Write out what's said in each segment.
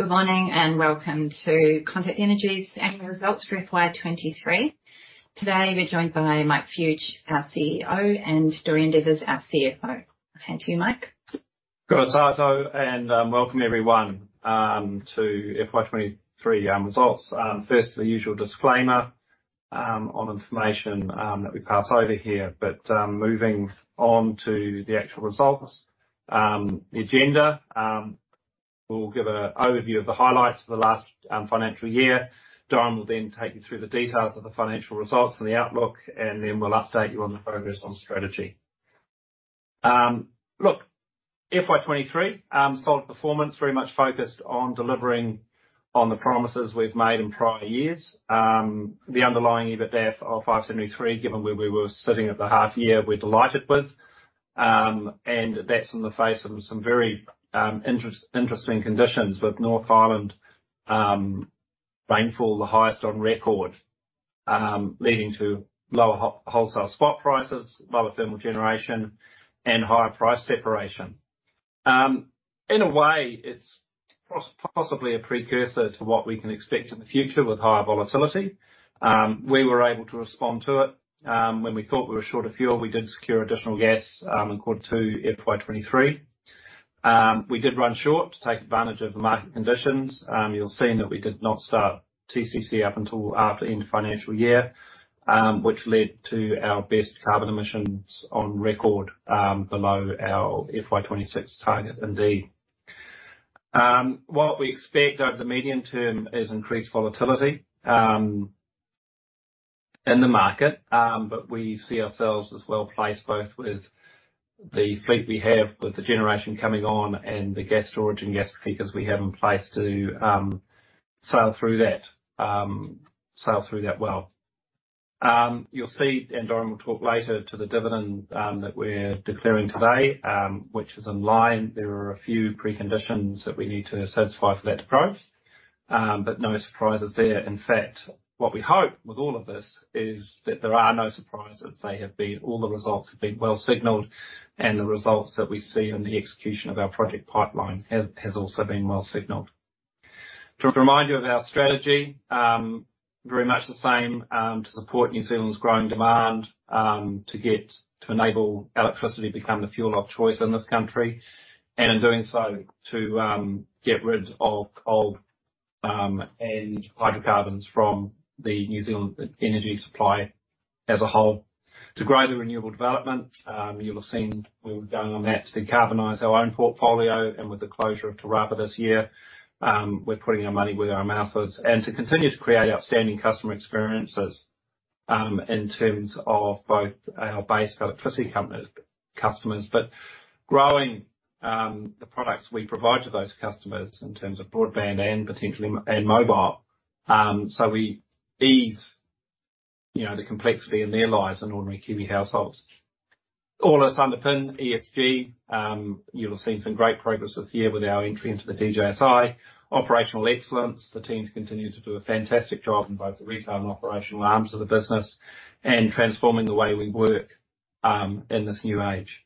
Good morning, and welcome to Contact Energy's Annual Results for FY 2023. Today, we're joined by Mike Fuge, our CEO, and Dorian Devers, our CFO. Thank you, Mike. Good, Tato, welcome everyone to FY 2023 results. First, the usual disclaimer on information that we pass over here. Moving on to the actual results. The agenda, we'll give a overview of the highlights for the last financial year. Dorian will then take you through the details of the financial results and the outlook, and then we'll update you on the progress on strategy. Look, FY 2023, solid performance, very much focused on delivering on the promises we've made in prior years. The underlying EBITDA of 573, given where we were sitting at the half year, we're delighted with. That's in the face of some very interesting conditions, with North Island rainfall, the highest on record, leading to lower wholesale spot prices, lower thermal generation, and higher price separation. In a way, it's possibly a precursor to what we can expect in the future with higher volatility. We were able to respond to it. When we thought we were short of fuel, we did secure additional gas in Q2 FY 2023. We did run short to take advantage of the market conditions. You'll see that we did not start TCC up until after the end of financial year, which led to our best carbon emissions on record, below our FY 2026 target indeed. What we expect over the medium term is increased volatility in the market, but we see ourselves as well placed both with the fleet we have, with the generation coming on, and the gas storage and gas seekers we have in place to sail through that, sail through that well. You'll see, Dorian will talk later to the dividend that we're declaring today, which is in line. There are a few preconditions that we need to satisfy for that to progress, but no surprises there. In fact, what we hope with all of this is that there are no surprises. All the results have been well signaled, and the results that we see in the execution of our project pipeline has also been well signaled. To remind you of our strategy, very much the same, to support New Zealand's growing demand, to get to enable electricity to become the fuel of choice in this country, and in doing so, to get rid of coal and hydrocarbons from the New Zealand energy supply as a whole. To grow the renewable development, you'll have seen we've gone on that to decarbonize our own portfolio, and with the closure of Te Rapa this year, we're putting our money where our mouth is. To continue to create outstanding customer experiences, in terms of both our base electricity company customers, but growing the products we provide to those customers in terms of broadband and potentially, and mobile. We ease, you know, the complexity in their lives in ordinary Kiwi households. All this underpinned ESG. You'll have seen some great progress this year with our entry into the DJSI. Operational excellence, the teams continue to do a fantastic job in both the retail and operational arms of the business, and transforming the way we work in this new age.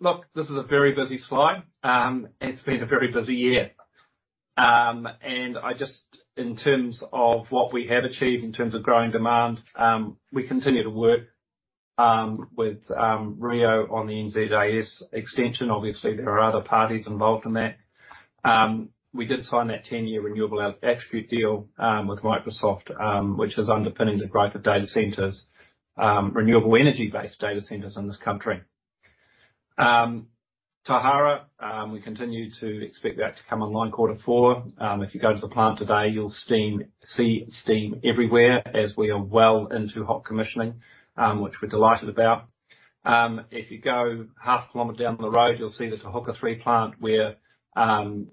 Look, this is a very busy slide. It's been a very busy year. I just-- in terms of what we have achieved in terms of growing demand, we continue to work with Rio on the NZAS extension. Obviously, there are other parties involved in that. We did sign that 10-year renewable attribute deal with Microsoft, which is underpinning the growth of data centers, renewable energy-based data centers in this country. Tauhara, we continue to expect that to come online quarter four. If you go to the plant today, you'll see steam everywhere, as we are well into hot commissioning, which we're delighted about. If you go half a kilometer down the road, you'll see there's a Te Huka 3 plant, where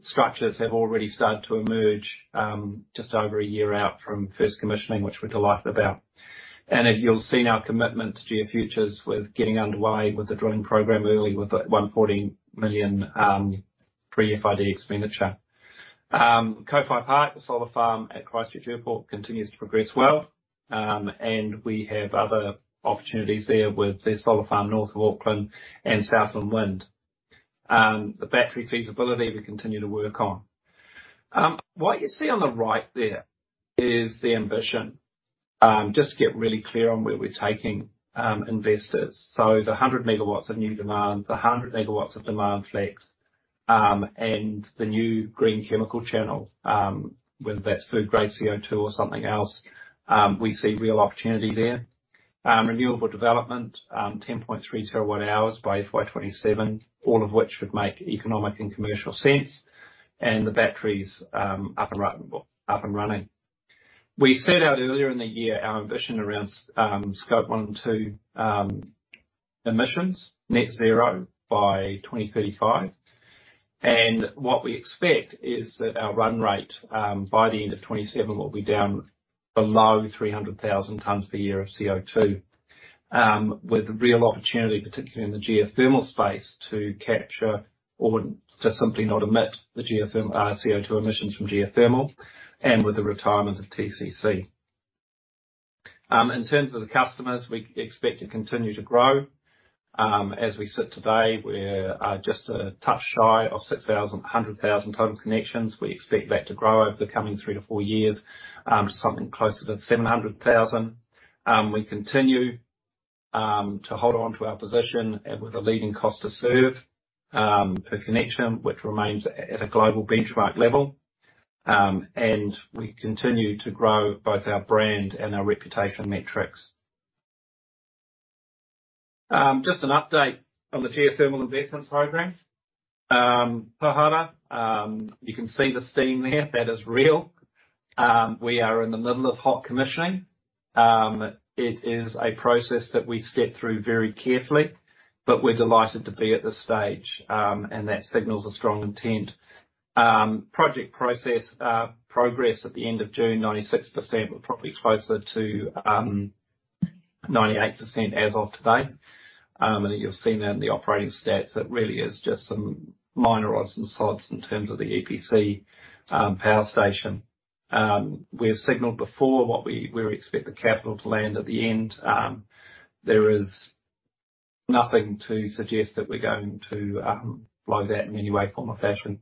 structures have already started to emerge, just over a year out from first commissioning, which we're delighted about. You'll have seen our commitment to Geofutures with getting underway with the drilling program early, with that 140 million pre-FID expenditure. Kōwhai Park, the solar farm at Christchurch Airport, continues to progress well, we have other opportunities there with the solar farm north of Auckland and Southland Wind. The battery feasibility we continue to work on. What you see on the right there is the ambition, just to get really clear on where we're taking investors. The 100 MW of new demand, the 100 MW of demand flex, and the new green chemical channel, whether that's food grade CO2 or something else, we see real opportunity there. Renewable development, 10.3 TWh by FY 2027, all of which should make economic and commercial sense, and the batteries, up and running. We set out earlier in the year our ambition around Scope one and two emissions, net zero by 2035, and what we expect is that our run rate, by the end of 2027, will be down below 300,000 tons per year of CO2. With real opportunity, particularly in the geothermal space, to capture or just simply not emit the CO2 emissions from geothermal and with the retirement of TCC. In terms of the customers, we expect to continue to grow. As we sit today, we're just a touch shy of 600,000 total connections. We expect that to grow over the coming three to four years to something closer to 700,000. We continue to hold on to our position and with a leading cost to serve per connection, which remains at a global benchmark level. We continue to grow both our brand and our reputation metrics. Just an update on the geothermal investment program. Tauhara, you can see the steam there, that is real. We are in the middle of Hot commissioning. It is a process that we step through very carefully, but we're delighted to be at this stage, and that signals a strong intent. Project process, progress at the end of June, 96%, but probably closer to 98% as of today. You've seen that in the operating stats, it really is just some minor odds and sods in terms of the EPC power station. We have signaled before what we, we expect the capital to land at the end. There is nothing to suggest that we're going to blow that in any way, form, or fashion.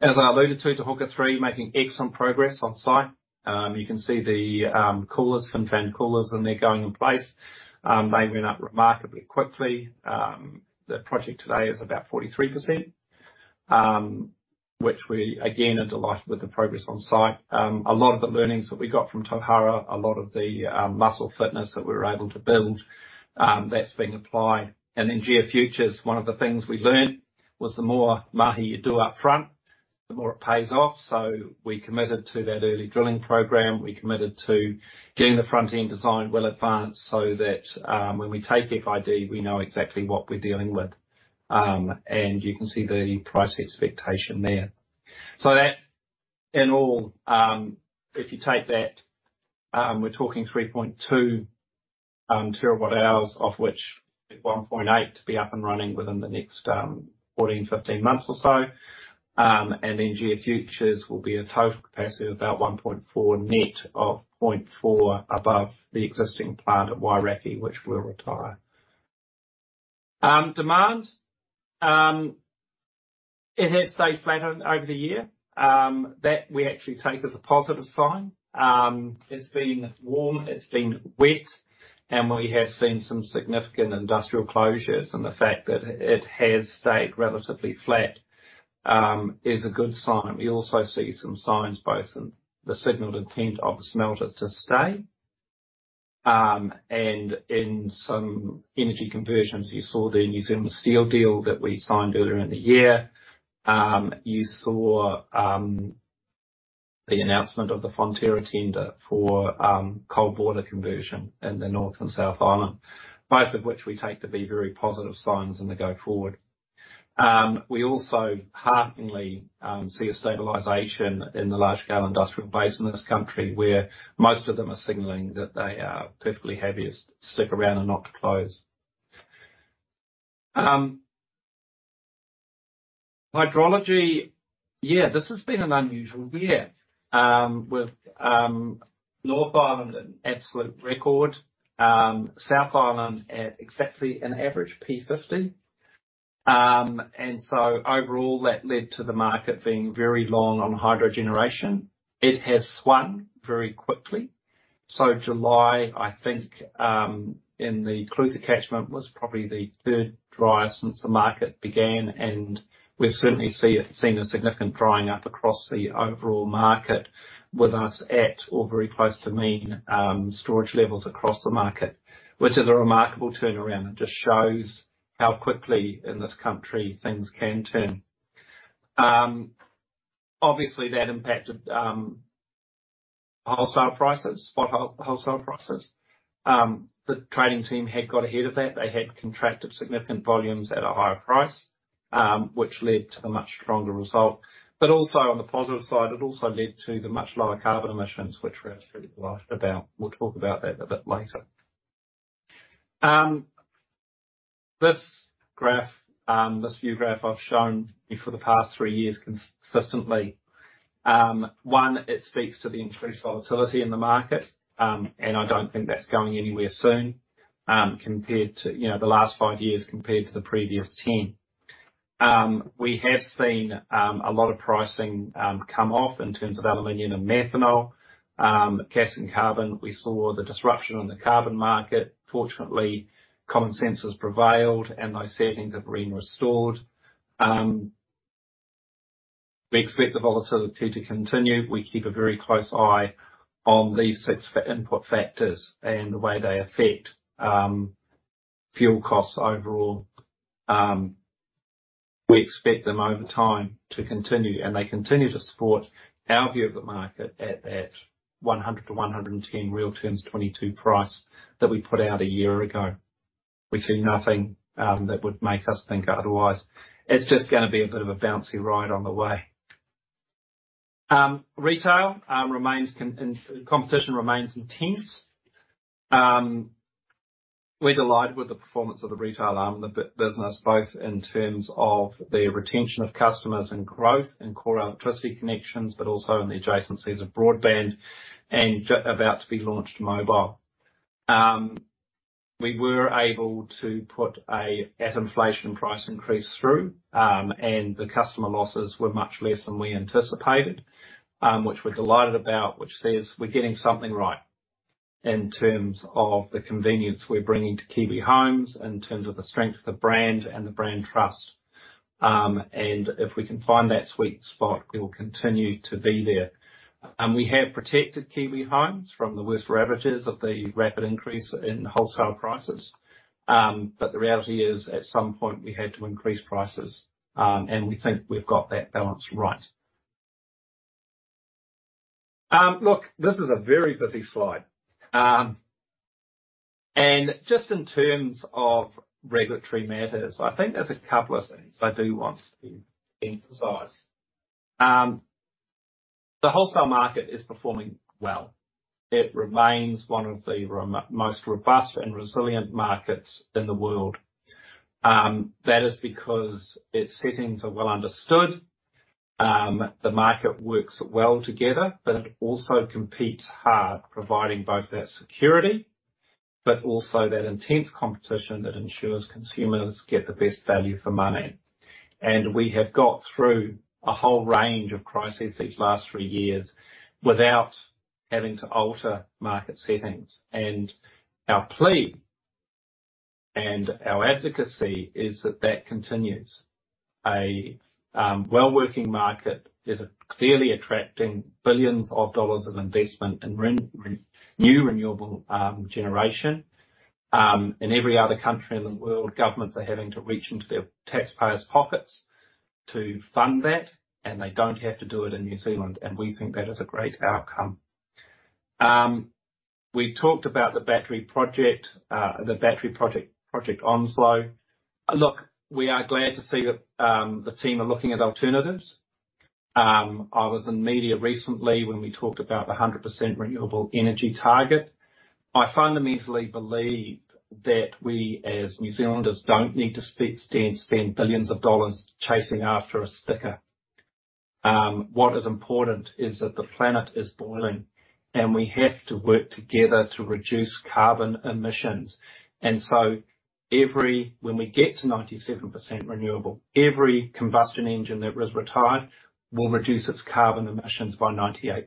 As I alluded to, Te Huka 3 making excellent progress on site. You can see the coolers, fin fan coolers, in there going in place. They went up remarkably quickly. The project today is about 43%, which we again, are delighted with the progress on site. A lot of the learnings that we got from Tauhara, a lot of the muscle fitness that we were able to build, that's being applied. Geofutures, one of the things we learned was the more mahi you do up front, the more it pays off. We committed to that early drilling program. We committed to getting the front-end design well advanced so that, when we take FID, we know exactly what we're dealing with. You can see the price expectation there. That in all, if you take that, we're talking 3.2 TWh, of which 1.8 to be up and running within the next 14, 15 months or so. Geofutures will be a total capacity of about 1.4 net of 0.4 above the existing plant at Wairakei, which we'll retire. Demand, it has stayed flat over the year, that we actually take as a positive sign. It's been warm, it's been wet, we have seen some significant industrial closures. The fact that it has stayed relatively flat, is a good sign. We also see some signs, both in the signaled intent of the smelter to stay, and in some energy conversions. You saw the New Zealand Steel deal that we signed earlier in the year. You saw the announcement of the Fonterra tender for coal boiler conversion in the North and South Island, both of which we take to be very positive signs in the go forward. We also hearteningly see a stabilization in the large-scale industrial base in this country, where most of them are signaling that they are perfectly happy to stick around and not to close. Hydrology. This has been an unusual year with North Island at an absolute record, South Island at exactly an average P50. Overall, that led to the market being very long on hydro generation. It has swung very quickly. July, I think, in the Clutha Catchment, was probably the third driest since the market began, and we've certainly seen a significant drying up across the overall market with us at or very close to mean storage levels across the market, which is a remarkable turnaround. It just shows how quickly in this country things can turn. Obviously, that impacted wholesale prices, spot whole- wholesale prices. The trading team had got ahead of that. They had contracted significant volumes at a higher price, which led to the much stronger result. Also on the positive side, it also led to the much lower carbon emissions, which we're pretty delighted about. We'll talk about that a bit later. This graph, this view graph I've shown you for the past three years consistently. One, it speaks to the increased volatility in the market, and I don't think that's going anywhere soon, compared to, you know, the last five years compared to the previous 10. We have seen a lot of pricing come off in terms of aluminum and methanol, gas and carbon. We saw the disruption in the carbon market. Fortunately, common sense has prevailed, and those settings have been restored. We expect the volatility to continue. We keep a very close eye on these six input factors and the way they affect, fuel costs overall. We expect them over time to continue, and they continue to support our view of the market at that 100-110 real terms, 2022 price, that we put out 1 year ago. We see nothing that would make us think otherwise. It's just gonna be a bit of a bouncy ride on the way. Retail, competition remains intense. We're delighted with the performance of the retail arm of the business, both in terms of the retention of customers and growth in core electricity connections, but also in the adjacencies of broadband and about to be launched, mobile. We were able to put a at inflation price increase through, and the customer losses were much less than we anticipated, which we're delighted about, which says we're getting something right in terms of the convenience we're bringing to Kiwi homes, in terms of the strength of the brand and the brand trust. If we can find that sweet spot, we will continue to be there. We have protected Kiwi homes from the worst ravages of the rapid increase in wholesale prices. The reality is, at some point we had to increase prices, and we think we've got that balance right. Look, this is a very busy slide. Just in terms of regulatory matters, I think there's a couple of things I do want to emphasize. The wholesale market is performing well. It remains one of the most robust and resilient markets in the world. That is because its settings are well understood, the market works well together, but it also competes hard, providing both that security, but also that intense competition that ensures consumers get the best value for money. We have got through a whole range of crises these last three years without having to alter market settings. Our plea and our advocacy is that that continues. A well-working market is clearly attracting billions dollars of investment in renewable generation. In every other country in the world, governments are having to reach into their taxpayers' pockets to fund that, and they don't have to do it in New Zealand, and we think that is a great outcome. We've talked about the battery project, the battery project, Project Onslow. Look, we are glad to see that the team are looking at alternatives. I was in media recently when we talked about the 100% renewable energy target. I fundamentally believe that we, as New Zealanders, don't need to spend billions dollars chasing after a sticker. What is important is that the planet is boiling, and we have to work together to reduce carbon emissions. Every... when we get to 97% renewable, every combustion engine that was retired will reduce its carbon emissions by 98%.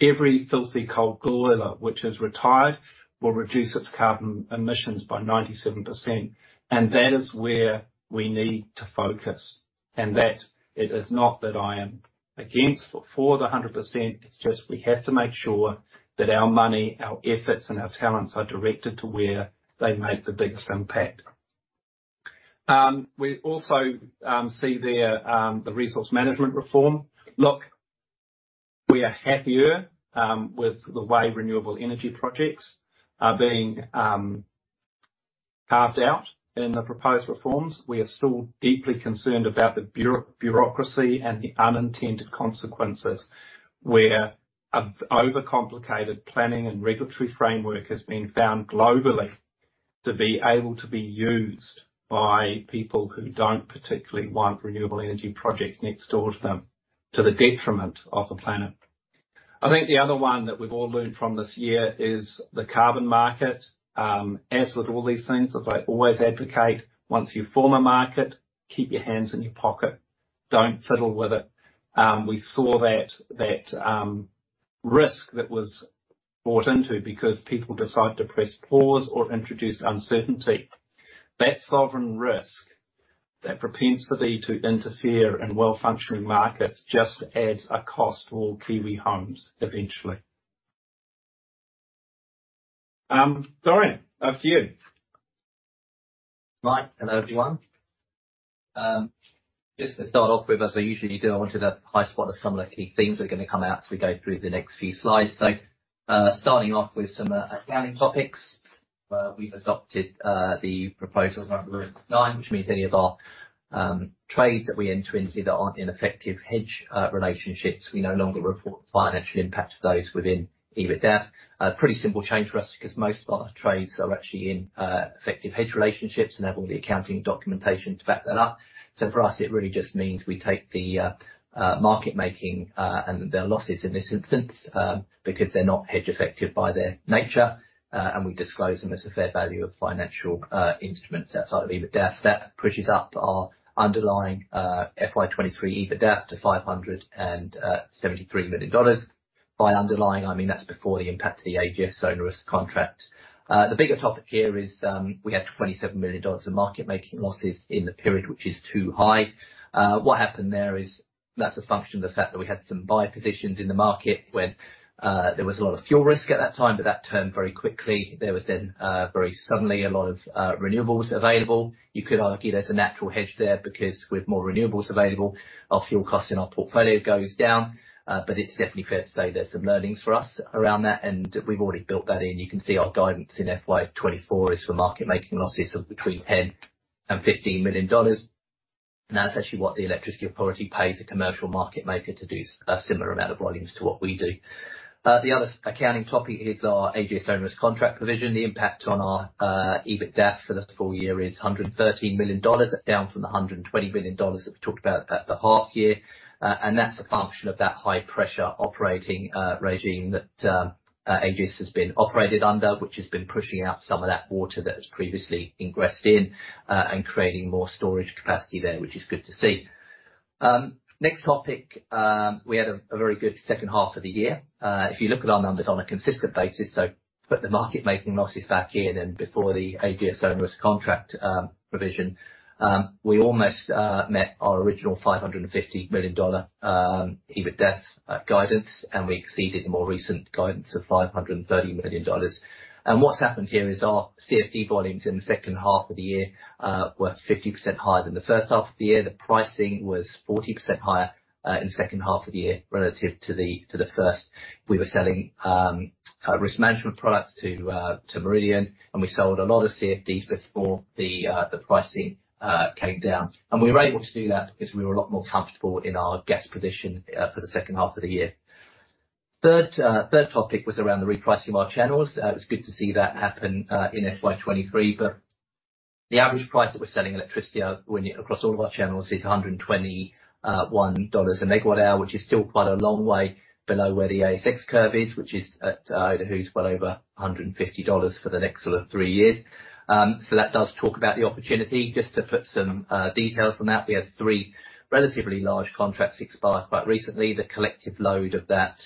Every filthy coal boiler which is retired will reduce its carbon emissions by 97%, and that is where we need to focus, and that it is not that I am against or for the 100%, it's just we have to make sure that our money, our efforts, and our talents are directed to where they make the biggest impact. We also see there the resource management reform. Look, we are happier with the way renewable energy projects are being carved out in the proposed reforms. We are still deeply concerned about the bureaucracy and the unintended consequences, where a overcomplicated planning and regulatory framework has been found globally to be able to be used by people who don't particularly want renewable energy projects next door to them, to the detriment of the planet. I think the other one that we've all learned from this year is the carbon market. As with all these things, as I always advocate, once you form a market, keep your hands in your pocket, don't fiddle with it. We saw that, that risk that was bought into because people decide to press pause or introduce uncertainty. That sovereign risk, that propensity to interfere in well-functioning markets, just adds a cost to all Kiwi homes eventually. Dorian, over to you. Mike, hello, everyone. Just to start off with, as I usually do, I wanted to high spot of some of the key themes that are going to come out as we go through the next few slides. Starting off with some accounting topics. We've adopted the proposal round nine, which means any of our trades that we enter into that aren't in effective hedge relationships, we no longer report the financial impact of those within EBITDA. A pretty simple change for us, because most of our trades are actually in effective hedge relationships and have all the accounting documentation to back that up. For us, it really just means we take the market making and their losses in this instance, because they're not hedge effective by their nature, and we disclose them as a fair value of financial instruments outside of EBITDA. That pushes up our underlying FY 2023 EBITDA to 573 million dollars. By underlying, I mean, that's before the impact of the AGS Onerous Contract. The bigger topic here is, we had 27 million dollars in market making losses in the period, which is too high. What happened there is that's a function of the fact that we had some buy positions in the market when there was a lot of fuel risk at that time, but that turned very quickly. There was then very suddenly a lot of renewables available. You could argue there's a natural hedge there, because with more renewables available, our fuel costs in our portfolio goes down. It's definitely fair to say there's some learnings for us around that, and we've already built that in. You can see our guidance in FY 2024 is for market making losses of between 10 million and 15 million dollars. That's actually what the Electricity Authority pays a commercial market maker to do a similar amount of volumes to what we do. The other accounting topic is our AGS Onerous Contract provision. The impact on our EBITDA for the full year is 113 million dollars, down from the 120 million dollars that we talked about at the half year. That's a function of that high pressure operating regime that AGS has been operated under, which has been pushing out some of that water that was previously ingressed in and creating more storage capacity there, which is good to see. Next topic, we had a very good second half of the year. If you look at our numbers on a consistent basis, so put the market-making losses back in, and before the AGS Onerous Contract provision, we almost met our original 550 million dollar EBITDA guidance, and we exceeded the more recent guidance of 530 million dollars. What's happened here is our CFD volumes in the second half of the year were 50% higher than the first half of the year. The pricing was 40% higher in the second half of the year relative to the first. We were selling risk management products to Meridian, and we sold a lot of CFDs before the pricing came down. We were able to do that because we were a lot more comfortable in our gas position for the second half of the year. Third, third topic was around the repricing of our channels. It was good to see that happen, in FY 2023, but the average price that we're selling electricity out when across all of our channels is 121 dollars a MWh, which is still quite a long way below where the ASX curve is, which is at, I don't know, well over 150 dollars for the next three years. That does talk about the opportunity. Just to put some details on that, we had three relatively large contracts expire quite recently. The collective load of that,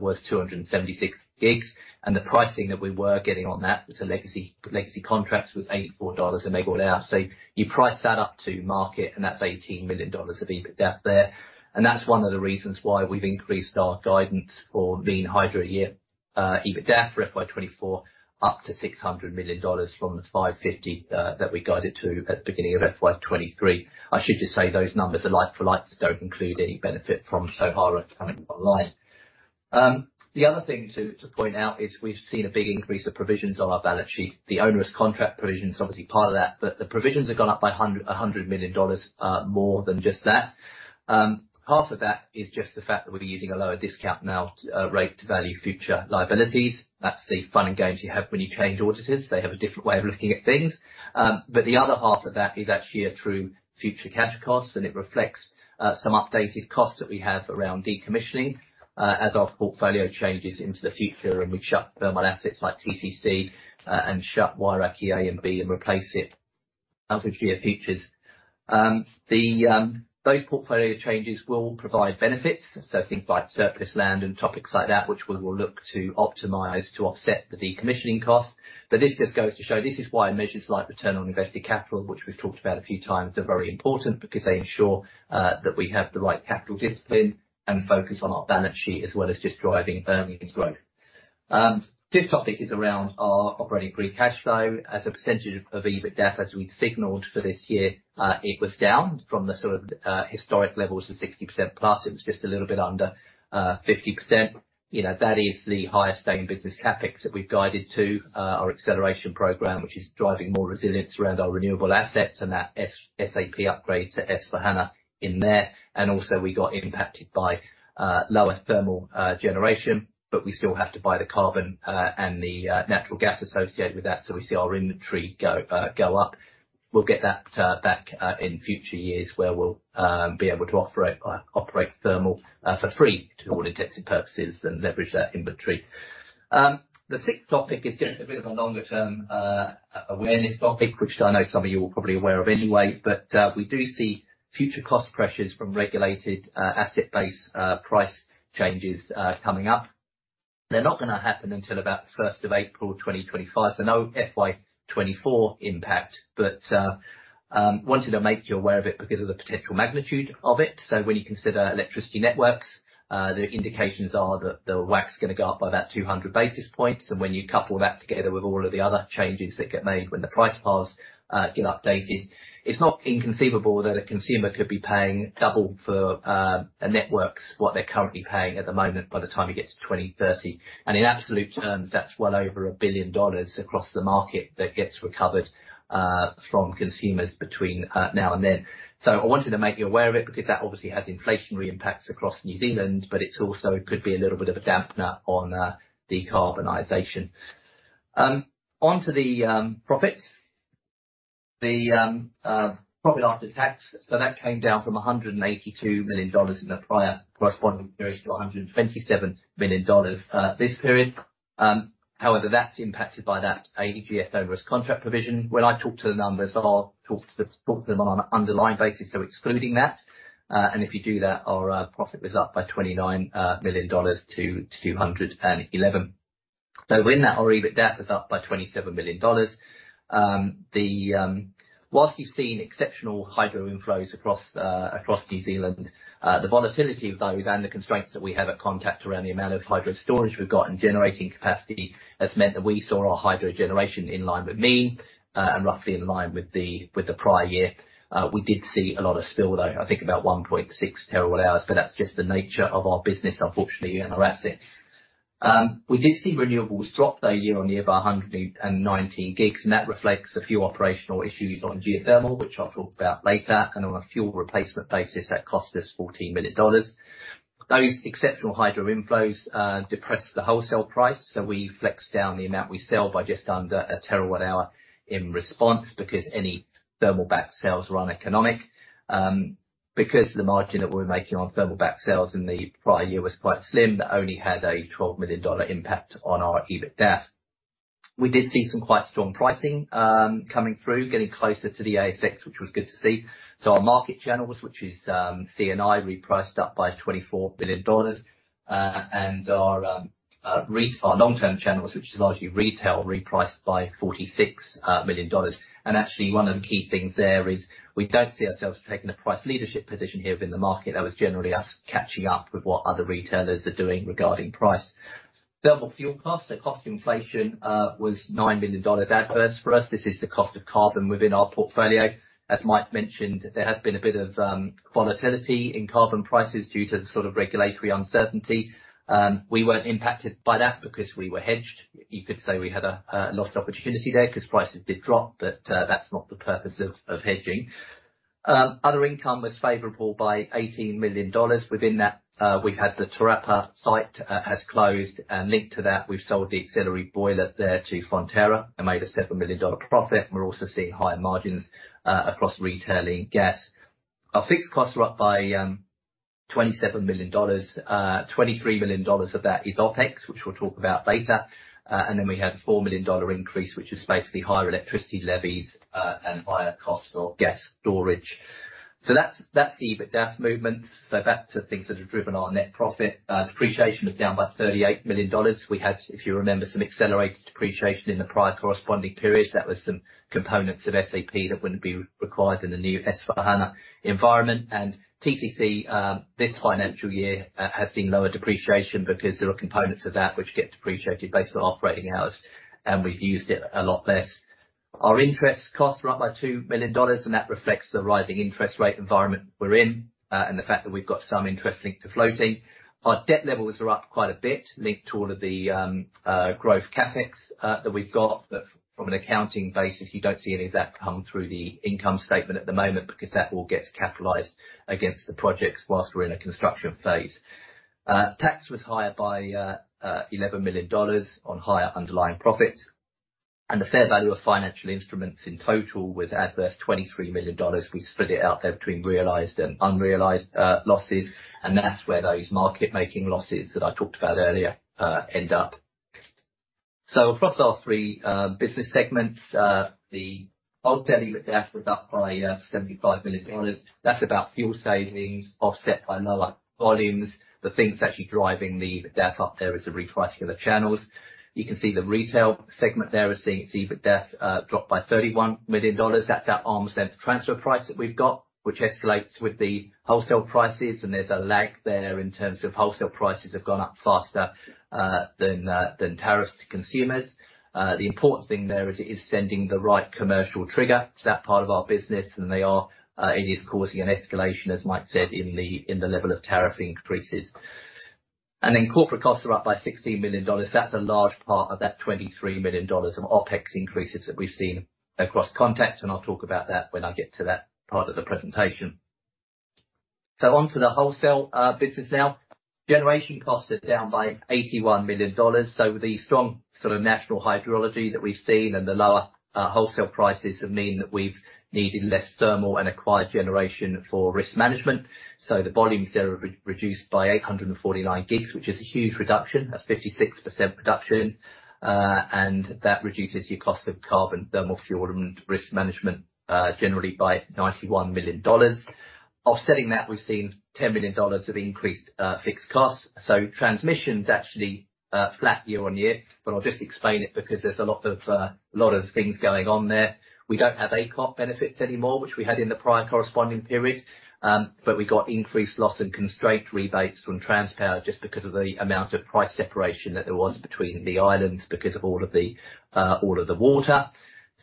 was 276 gigs, and the pricing that we were getting on that, which are legacy, legacy contracts, was 84 dollars a MWh. You price that up to market, and that's 18 million dollars of EBITDA there. That's one of the reasons why we've increased our guidance for lean hydro year, EBITDA for FY 2024, up to 600 million dollars from the 550 that we guided to at the beginning of FY 2023. I should just say those numbers are like for likes, don't include any benefit from Tauhara coming online. The other thing to point out is we've seen a big increase of provisions on our balance sheet. The Onerous Contract provision is obviously part of that, but the provisions have gone up by 100 million dollars more than just that. Half of that is just the fact that we're using a lower discount now, rate to value future liabilities. That's the fun and games you have when you change auditors. They have a different way of looking at things. The other half of that is actually a true future cash cost, and it reflects some updated costs that we have around decommissioning, as our portfolio changes into the future, and we shut thermal assets like TCC, and shut Wairakei A and B and replace it with Geofutures. The, those portfolio changes will provide benefits, so things like surplus land and topics like that, which we will look to optimize to offset the decommissioning costs. This just goes to show, this is why measures like Return on Invested Capital, which we've talked about a few times, are very important, because they ensure that we have the right capital discipline and focus on our balance sheet, as well as just driving earnings growth. Fifth topic is around our operating free cash flow as a percentage of EBITDA, as we've signaled for this year, it was down from the sort of historic levels of 60% plus. It was just a little bit under 50%. You know, that is the highest staying business CapEx that we've guided to, our acceleration program, which is driving more resilience around our renewable assets and that SAP upgrade to S/4HANA in there. Also, we got impacted by lower thermal generation, but we still have to buy the carbon and the natural gas associated with that, so we see our inventory go go up. We'll get that back in future years, where we'll be able to operate operate thermal for free, to all intents and purposes, and leverage that inventory. The sixth topic is just a bit of a longer-term awareness topic, which I know some of you are probably aware of anyway, but we do see future cost pressures from regulated asset base price changes coming up. They're not going to happen until about the first of April 2025, so no FY 2024 impact, but wanted to make you aware of it because of the potential magnitude of it. When you consider electricity networks, the indications are that the WACC's going to go up by about 200 basis points, and when you couple that together with all of the other changes that get made when the price files, get updated, it's not inconceivable that a consumer could be paying double for, a networks, what they're currently paying at the moment, by the time it gets to 2030. In absolute terms, that's well over 1 billion dollars across the market that gets recovered, from consumers between, now and then. I wanted to make you aware of it, because that obviously has inflationary impacts across New Zealand, but it's also could be a little bit of a dampener on, decarbonization. onto the, profits. The profit after tax, that came down from 182 million dollars in the prior corresponding period to 127 million dollars this period. However, that's impacted by that AGS Onerous Contract provision. When I talk to the numbers, I'll talk to them on an underlying basis, excluding that. And if you do that, our profit was up by 29 million dollars to 211. Within that, our EBITDA was up by 27 billion dollars. The... Whilst you've seen exceptional hydro inflows across, across New Zealand, the volatility of those and the constraints that we have at Contact around the amount of hydro storage we've got and generating capacity, has meant that we saw our hydro generation in line with mean, and roughly in line with the, with the prior year. We did see a lot of spill, though, I think about 1.6 TWh, but that's just the nature of our business, unfortunately, and our assets. We did see renewables drop though year on year by 119 gigs, and that reflects a few operational issues on geothermal, which I'll talk about later, and on a fuel replacement basis, that cost us $14 million. Those exceptional hydro inflows depressed the wholesale price, we flexed down the amount we sell by just under a TWh in response, because any thermal backed sales were uneconomic. Because the margin that we were making on thermal backed sales in the prior year was quite slim, that only had a 12 million dollar impact on our EBITDA. We did see some quite strong pricing coming through, getting closer to the ASX, which was good to see. Our market channels, which is C&I, repriced up by 24 billion dollars, and our re- our long-term channels, which is largely retail, repriced by 46 million dollars. Actually, one of the key things there is we don't see ourselves taking a price leadership position here within the market. That was generally us catching up with what other retailers are doing regarding price. Thermal fuel costs, the cost inflation, was 9 million dollars adverse for us. This is the cost of carbon within our portfolio. As Mike mentioned, there has been a bit of volatility in carbon prices due to the sort of regulatory uncertainty. We weren't impacted by that because we were hedged. You could say we had a, a lost opportunity there because prices did drop, but that's not the purpose of, of hedging. Other income was favorable by 18 million dollars. Within that, we had the Te Rapa site, has closed. Linked to that, we've sold the auxiliary boiler there to Fonterra and made a 7 million dollar profit. We're also seeing higher margins across retailing gas. Our fixed costs are up by 27 million dollars. 23 million dollars of that is OpEx, which we'll talk about later. We had a 4 million dollar increase, which is basically higher electricity levies and higher costs for gas storage. That's, that's the EBITDA movements. Back to things that have driven our net profit. Depreciation was down by 38 million dollars. We had, if you remember, some accelerated depreciation in the prior corresponding periods. That was some components of SAP that wouldn't be required in the new S/4HANA environment. TCC this financial year has seen lower depreciation because there are components of that which get depreciated based on operating hours, and we've used it a lot less. Our interest costs were up by 2 million dollars, and that reflects the rising interest rate environment we're in and the fact that we've got some interest linked to floating. Our debt levels are up quite a bit, linked to all of the growth CapEx that we've got. From an accounting basis, you don't see any of that come through the income statement at the moment, because that all gets capitalized against the projects whilst we're in a construction phase. Tax was higher by 11 million dollars on higher underlying profits, and the fair value of financial instruments in total was adverse 23 million dollars. We've split it out there between realized and unrealized losses, and that's where those market-making losses that I talked about earlier end up. Across our three business segments, the wholesale EBITDA was up by 75 million dollars. That's about fuel savings offset by lower volumes. The things that are actually driving the EBITDA up there is the repricing of the channels. You can see the retail segment there is seeing its EBITDA drop by 31 million dollars. That's our arms length transfer price that we've got, which escalates with the wholesale prices, and there's a lag there in terms of wholesale prices have gone up faster than tariffs to consumers. The important thing there is it is sending the right commercial trigger to that part of our business, and they are, it is causing an escalation, as Mike said, in the, in the level of tariff increases. Corporate costs are up by 16 million dollars. That's a large part of that 23 million dollars of OpEx increases that we've seen across contacts, and I'll talk about that when I get to that part of the presentation. On to the wholesale business now. Generation costs are down by 81 million dollars. The strong sort of national hydrology that we've seen and the lower wholesale prices have meant that we've needed less thermal and acquired generation for risk management. The volumes there are reduced by 849 gigs, which is a huge reduction. That's 56% reduction, and that reduces your cost of carbon, thermal fuel and risk management, generally by 91 million dollars. Offsetting that, we've seen 10 million dollars of increased fixed costs, transmission's actually flat year-on-year. I'll just explain it because there's a lot of things going on there. We don't have ACOT benefits anymore, which we had in the prior corresponding periods, but we got increased loss and constraint rebates from Transpower just because of the amount of price separation that there was between the islands because of all of the all of the water.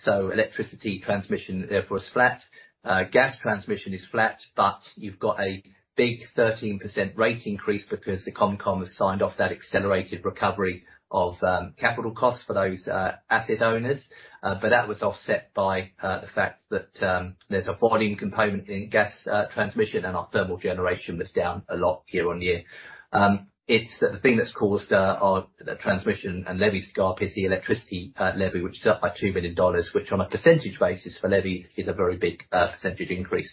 Electricity transmission, therefore, is flat. Gas transmission is flat, you've got a big 13% rate increase because the ComCom has signed off that accelerated recovery of capital costs for those asset owners. That was offset by the fact that there's a volume component in gas transmission, and our thermal generation was down a lot year-on-year. It's the thing that's caused, our, the transmission and levies gap is the electricity, levy, which is up by 2 million dollars, which on a percentage basis for levies, is a very big percentage increase.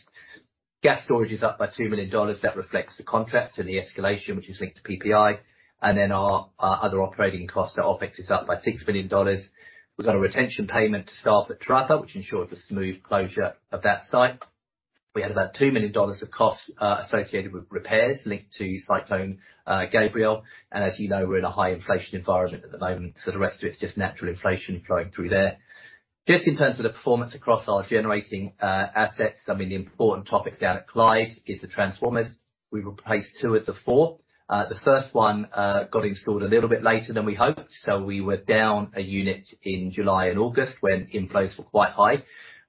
Gas storage is up by 2 million dollars. That reflects the contracts and the escalation, which is linked to PPI, and then our, our other operating costs, our OpEx, is up by 6 million dollars. We've got a retention payment to staff at Te Rapa, which ensures a smooth closure of that site. We had about 2 million dollars of costs associated with repairs linked to Cyclone Gabriel, and as you know, we're in a high inflation environment at the moment, so the rest of it is just natural inflation flowing through there. Just in terms of the performance across our generating assets, I mean, the important topic down at Clyde is the transformers. We've replaced two of the four. The first one got installed a little bit later than we hoped, so we were down a unit in July and August when inflows were quite high.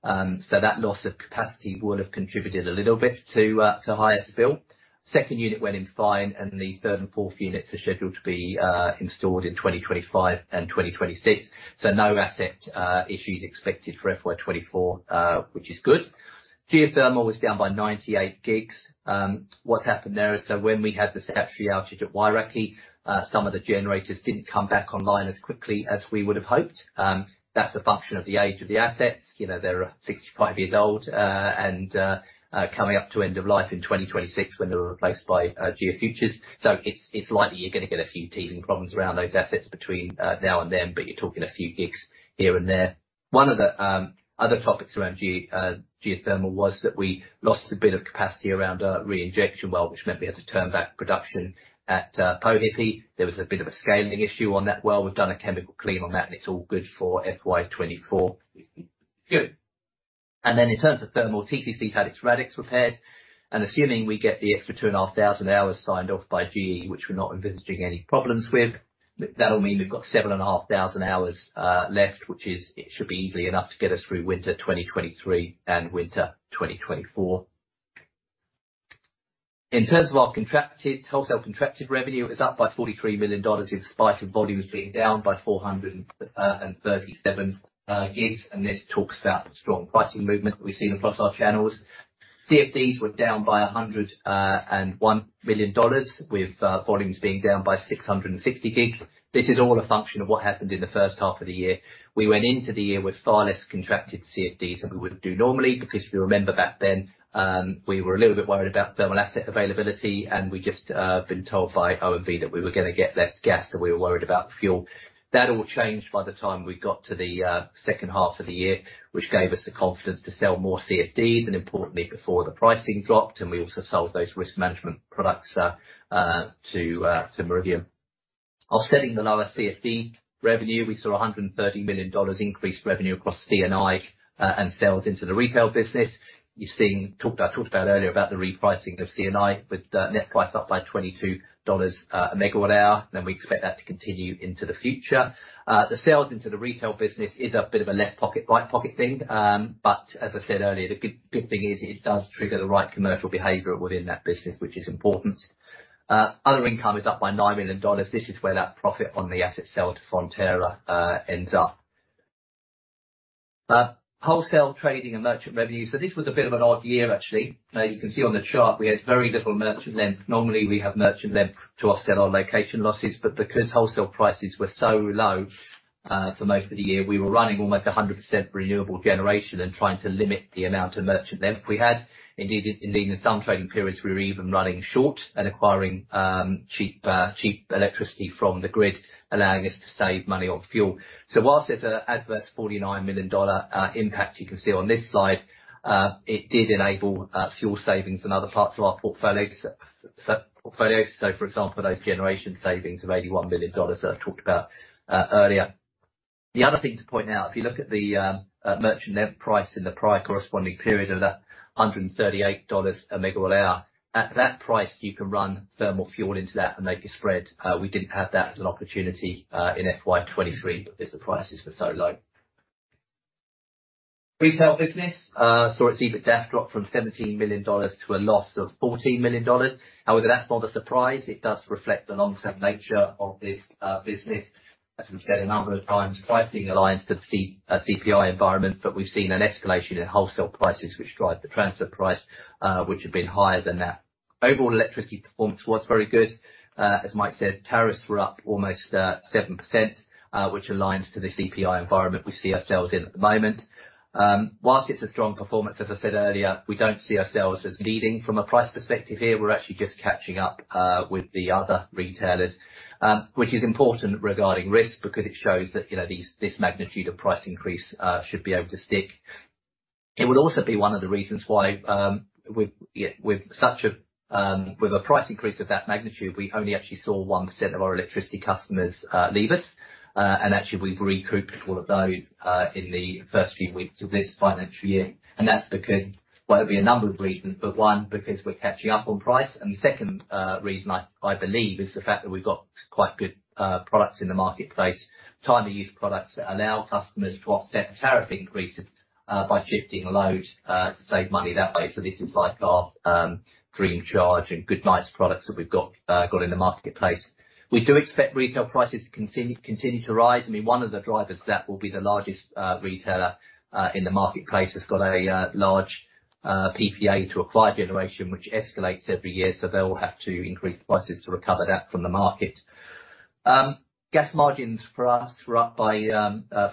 That loss of capacity would have contributed a little bit to higher spill. Second unit went in fine, the third and fourth units are scheduled to be installed in 2025 and 2026. No asset issues expected for FY 2024, which is good. Geothermal was down by 98 GWh. What happened there is that when we had the statutory outage at Wairakei, some of the generators didn't come back online as quickly as we would have hoped. That's a function of the age of the assets. You know, they're 65 years old, and coming up to end of life in 2026 when they were replaced by Geofutures. So it's likely you're gonna get a few teething problems around those assets between now and then, but you're talking a few gigs here and there. One of the other topics around ge, geothermal was that we lost a bit of capacity around our reinjection well, which meant we had to turn back production at Poihipi. There was a bit of a scaling issue on that well. We've done a chemical clean on that, and it's all good for FY 2024. Good. Then in terms of thermal, TCC had its radax repaired, and assuming we get the extra 2,500 hours signed off by GE, which we're not envisaging any problems with, that'll mean we've got 7,500 hours left, it should be easily enough to get us through winter 2023 and winter 2024. In terms of our wholesale contracted revenue, it's up by 43 million dollars, in spite of volumes being down by 437 gigs, and this talks about the strong pricing movement we've seen across our channels. CFDs were down by 101 million dollars, with volumes being down by 660 gigs. This is all a function of what happened in the first half of the year. We went into the year with far less contracted CFDs than we would do normally, because if you remember back then, we were a little bit worried about thermal asset availability, and we just had been told by OMV that we were gonna get less gas, so we were worried about the fuel. That all changed by the time we got to the second half of the year, which gave us the confidence to sell more CFDs, and importantly, before the pricing dropped, and we also sold those risk management products to Meridian. Offsetting the lower CFD revenue, we saw 130 million dollars increased revenue across C&I and sales into the retail business. You've seen-- talked about, talked about earlier about the repricing of C&I with the net price up by 22 dollars, a MWh. We expect that to continue into the future. The sales into the retail business is a bit of a left pocket, right pocket thing. As I said earlier, the good, good thing is it does trigger the right commercial behavior within that business, which is important. Other income is up by 9 million dollars. This is where that profit on the asset sale to Fonterra ends up. Wholesale trading and merchant revenue. This was a bit of an odd year, actually. You can see on the chart we had very little merchant length. Normally, we have merchant length to offset our location losses, but because wholesale prices were so low, for most of the year, we were running almost a hundred percent renewable generation and trying to limit the amount of merchant length we had. Indeed, indeed, in some trading periods, we were even running short and acquiring, cheap, cheap electricity from the grid, allowing us to save money on fuel. Whilst there's a adverse 49 million dollar impact you can see on this slide, it did enable fuel savings in other parts of our portfolio, s- s- portfolio. For example, those generation savings of 81 million dollars that I talked about earlier. The other thing to point out, if you look at the merchant length price in the prior corresponding period of 138 dollars a MWh, at that price, you can run thermal fuel into that and make a spread. We didn't have that as an opportunity in FY23 because the prices were so low. Retail business saw its EBITDA drop from 17 million dollars to a loss of 14 million dollars. However, that's not a surprise. It does reflect the long-term nature of this business. As we've said a number of times, pricing aligns to the CPI environment, but we've seen an escalation in wholesale prices, which drive the transfer price, which have been higher than that. Overall electricity performance was very good. As Mike said, tariffs were up almost 7%, which aligns to the CPI environment we see ourselves in at the moment. Whilst it's a strong performance, as I said earlier, we don't see ourselves as leading from a price perspective here. We're actually just catching up with the other retailers, which is important regarding risk, because it shows that, you know, this magnitude of price increase should be able to stick. It would also be one of the reasons why, with such a, with a price increase of that magnitude, we only actually saw 1% of our electricity customers leave us. Actually, we've recouped all of those in the first few weeks of this financial year. That's because, well, it'll be a number of reasons, but one, because we're catching up on price, and the second, reason I, I believe, is the fact that we've got quite good, products in the marketplace. Time-of-use products that allow customers to offset tariff increases, by shifting loads, to save money that way. This is like our Green Charge and Good Nights products that we've got, got in the marketplace. We do expect retail prices to continue, continue to rise. I mean, one of the drivers of that will be the largest, retailer, in the marketplace, has got a large PPA to acquire generation, which escalates every year, so they'll have to increase prices to recover that from the market. Gas margins for us were up by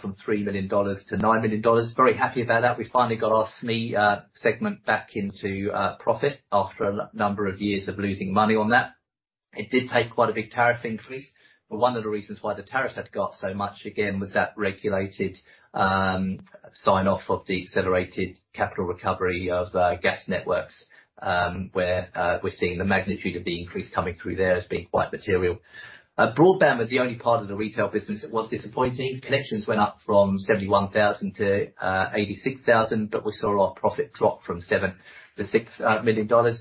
from 3 million dollars to 9 million dollars. Very happy about that. We finally got our SME segment back into profit after a number of years of losing money on that. It did take quite a big tariff increase, one of the reasons why the tariffs had got so much again, was that regulated sign-off of the accelerated capital recovery of gas networks, where we're seeing the magnitude of the increase coming through there as being quite material. Broadband was the only part of the retail business that was disappointing. Connections went up from 71,000 to 86,000, we saw a lot of profit drop from 7 million-6 million dollars.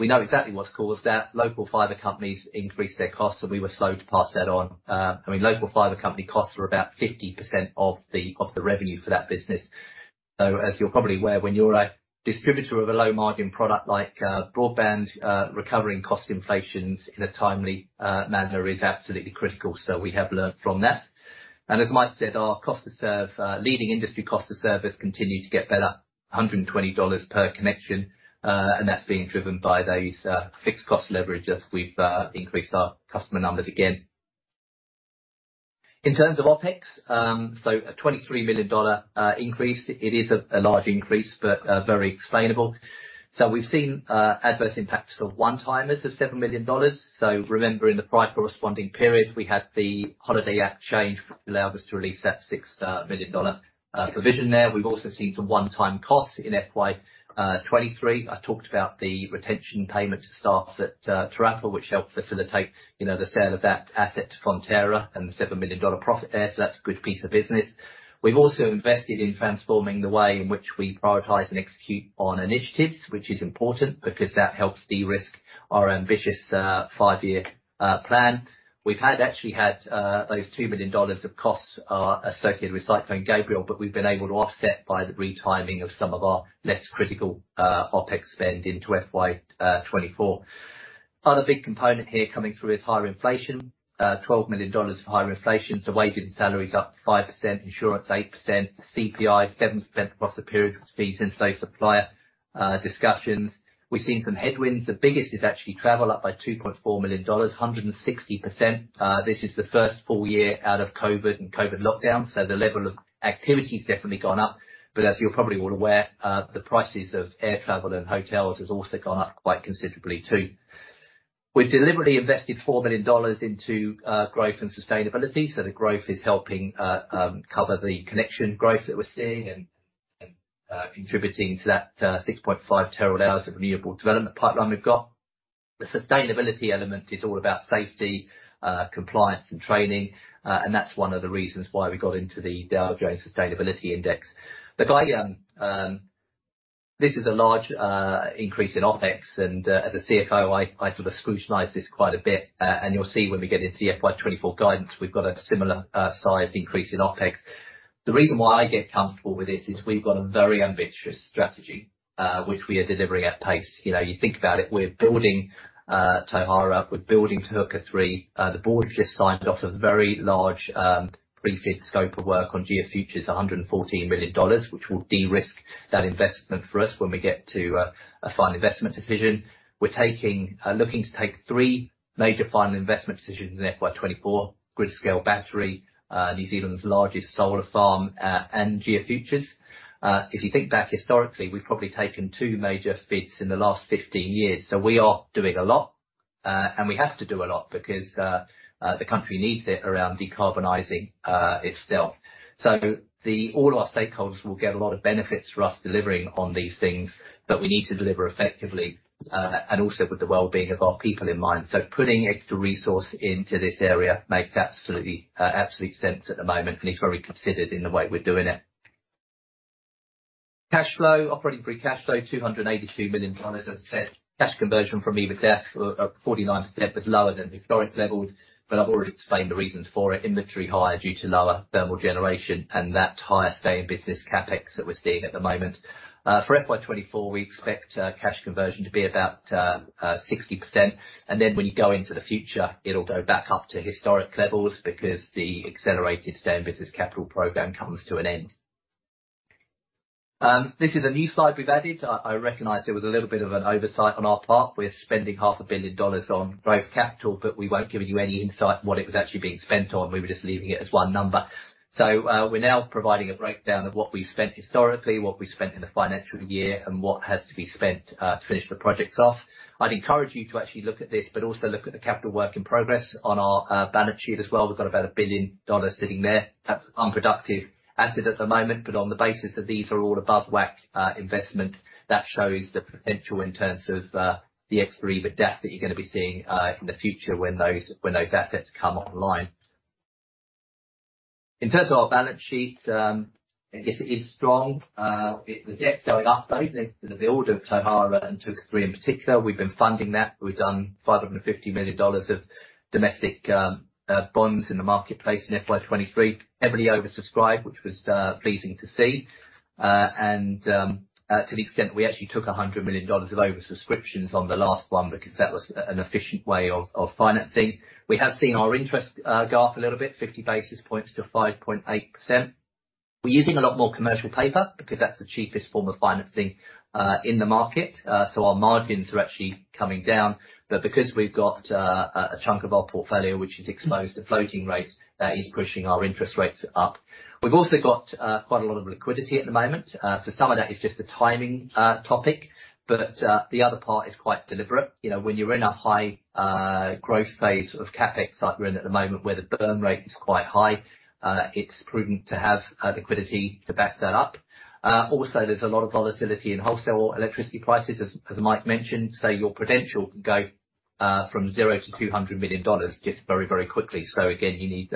We know exactly what's caused that. Local fiber companies increased their costs, we were slow to pass that on. I mean, local fiber company costs were about 50% of the, of the revenue for that business. As you're probably aware, when you're a distributor of a low-margin product like broadband, recovering cost inflations in a timely manner is absolutely critical. We have learned from that. As Mike said, our cost to serve, leading industry cost to serve has continued to get better $120 per connection, and that's being driven by those fixed cost leverage as we've increased our customer numbers again. In terms of OpEx, a $23 million increase, it is a large increase, but very explainable. We've seen adverse impacts of one-timers of $7 million. Remember, in the prior corresponding period, we had the Holiday Act change, which allowed us to release that 6 million dollar provision there. We've also seen some one-time costs in FY 2023. I talked about the retention payment to staff at Te Rapa, which helped facilitate, you know, the sale of that asset to Fonterra and the 7 million dollar profit there, so that's a good piece of business. We've also invested in transforming the way in which we prioritize and execute on initiatives, which is important because that helps de-risk our ambitious five-year plan. We've actually had 2 million dollars of costs associated with Cyclone Gabriel, but we've been able to offset by the retiming of some of our less critical OpEx spend into FY 2024. Other big component here coming through is higher inflation, 12 million dollars of higher inflation, so wages and salaries up 5%, insurance 8%, CPI 7% across the period, which feeds into supplier discussions. We've seen some headwinds. The biggest is actually travel, up by 2.4 million dollars, 160%. This is the first full year out of COVID and COVID lockdown, so the level of activity has definitely gone up. As you're probably all aware, the prices of air travel and hotels has also gone up quite considerably, too. We've deliberately invested 4 million dollars into growth and sustainability, so the growth is helping cover the connection growth that we're seeing and contributing to that 6.5 TWh of renewable development pipeline we've got. The sustainability element is all about safety, compliance, and training, and that's one of the reasons why we got into the Dow Jones Sustainability Index. The guide, this is a large increase in OpEx, and as a CFO, I, I sort of scrutinize this quite a bit, and you'll see when we get into FY 2024 guidance, we've got a similar sized increase in OpEx. The reason why I get comfortable with this is we've got a very ambitious strategy, which we are delivering at pace. You know, you think about it, we're building Tauhara, we're building Te Huka 3. The board has just signed off a very large pre-FID scope of work on Geofutures, 114 million dollars, which will de-risk that investment for us when we get to a Final Investment Decision. We're taking-- looking to take three major Final Investment Decisions in FY 2024: Grid-Scale Battery, New Zealand's Largest Solar Farm, and Geofutures. If you think back historically, we've probably taken two major FIDs in the last 15 years, so we are doing a lot, and we have to do a lot because the country needs it around decarbonizing itself. The- all our stakeholders will get a lot of benefits for us delivering on these things, but we need to deliver effectively, and also with the well being of our people in mind. Putting extra resource into this area makes absolutely absolute sense at the moment, and it's very considered in the way we're doing it. Cash flow, operating free cash flow, 282 million dollars. As I said, cash conversion from EBITDA of 49% was lower than historic levels, but I've already explained the reasons for it. Inventory higher due to lower thermal generation and that higher stay in business CapEx that we're seeing at the moment. For FY 2024, we expect cash conversion to be about 60%. Then when you go into the future, it'll go back up to historic levels because the accelerated stay in business capital program comes to an end. This is a new slide we've added. I, I recognize it was a little bit of an oversight on our part. We're spending 500 million dollars on growth capital, but we won't give you any insight on what it was actually being spent on. We were just leaving it as one number. We're now providing a breakdown of what we spent historically, what we spent in the financial year, and what has to be spent to finish the projects off. I'd encourage you to actually look at this, but also look at the capital work in progress on our balance sheet as well. We've got about 1 billion dollars sitting there, that's unproductive assets at the moment, but on the basis that these are all above WACC investment, that shows the potential in terms of the ex-EBITDA that you're going to be seeing in the future when those, when those assets come online. In terms of our balance sheet, it is strong. The debt is going up, though, the build of Tauhara and Tukituki, three in particular. We've been funding that. We've done 550 million dollars of domestic bonds in the marketplace in FY 2023. Heavily oversubscribed, which was pleasing to see. To the extent we actually took 100 million dollars of oversubscriptions on the last one, because that was an efficient way of financing. We have seen our interest go up a little bit, 50 basis points to 5.8%. We're using a lot more commercial paper because that's the cheapest form of financing in the market, our margins are actually coming down. Because we've got a chunk of our portfolio which is exposed to floating rates, that is pushing our interest rates up. We've also got quite a lot of liquidity at the moment. Some of that is just a timing topic, but the other part is quite deliberate. You know, when you're in a high growth phase of CapEx like we're in at the moment, where the burn rate is quite high, it's prudent to have liquidity to back that up. Also, there's a lot of volatility in wholesale electricity prices, as Mike mentioned. Your credential can go from 0 to 200 million dollars just very, very quickly. Again, you need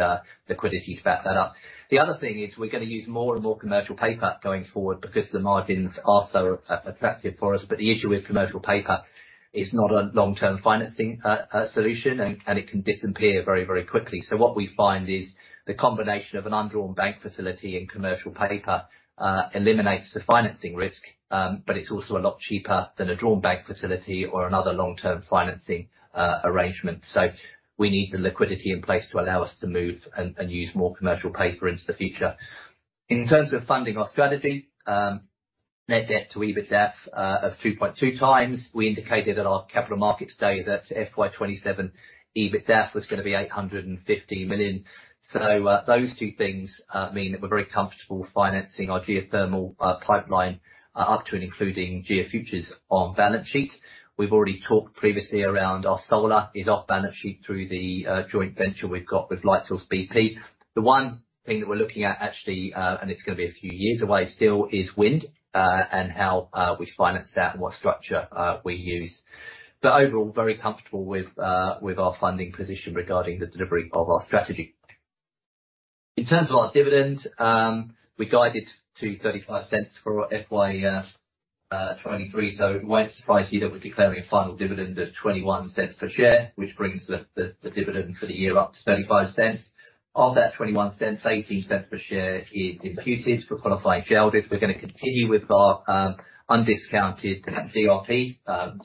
liquidity to back that up. The other thing is, we're going to use more and more commercial paper going forward because the margins are so attractive for us. The issue with commercial paper, it's not a long-term financing solution, and it can disappear very, very quickly. What we find is the combination of an undrawn bank facility and commercial paper, eliminates the financing risk, but it's also a lot cheaper than a drawn bank facility or another long-term financing arrangement. We need the liquidity in place to allow us to move and, and use more commercial paper into the future. In terms of funding our strategy, net debt to EBITDA of 2.2x. We indicated at our capital markets day that FY 2027 EBITDA was going to be 850 million. Those two things mean that we're very comfortable financing our geothermal pipeline up to and including Geofutures on balance sheet. We've already talked previously around our solar, is off balance sheet through the joint venture we've got with Lightsource BP. The one thing that we're looking at actually, and it's going to be a few years away still, is wind, and how we finance that and what structure we use. Overall, very comfortable with our funding position regarding the delivery of our strategy. In terms of our dividend, we guided to 0.35 for FY 2023, so it won't surprise you that we're declaring a final dividend of 0.21 per share, which brings the dividend for the year up to 0.35. Of that 0.21, 0.18 per share is imputed for qualifying shareholders. We're going to continue with our undiscounted DRP.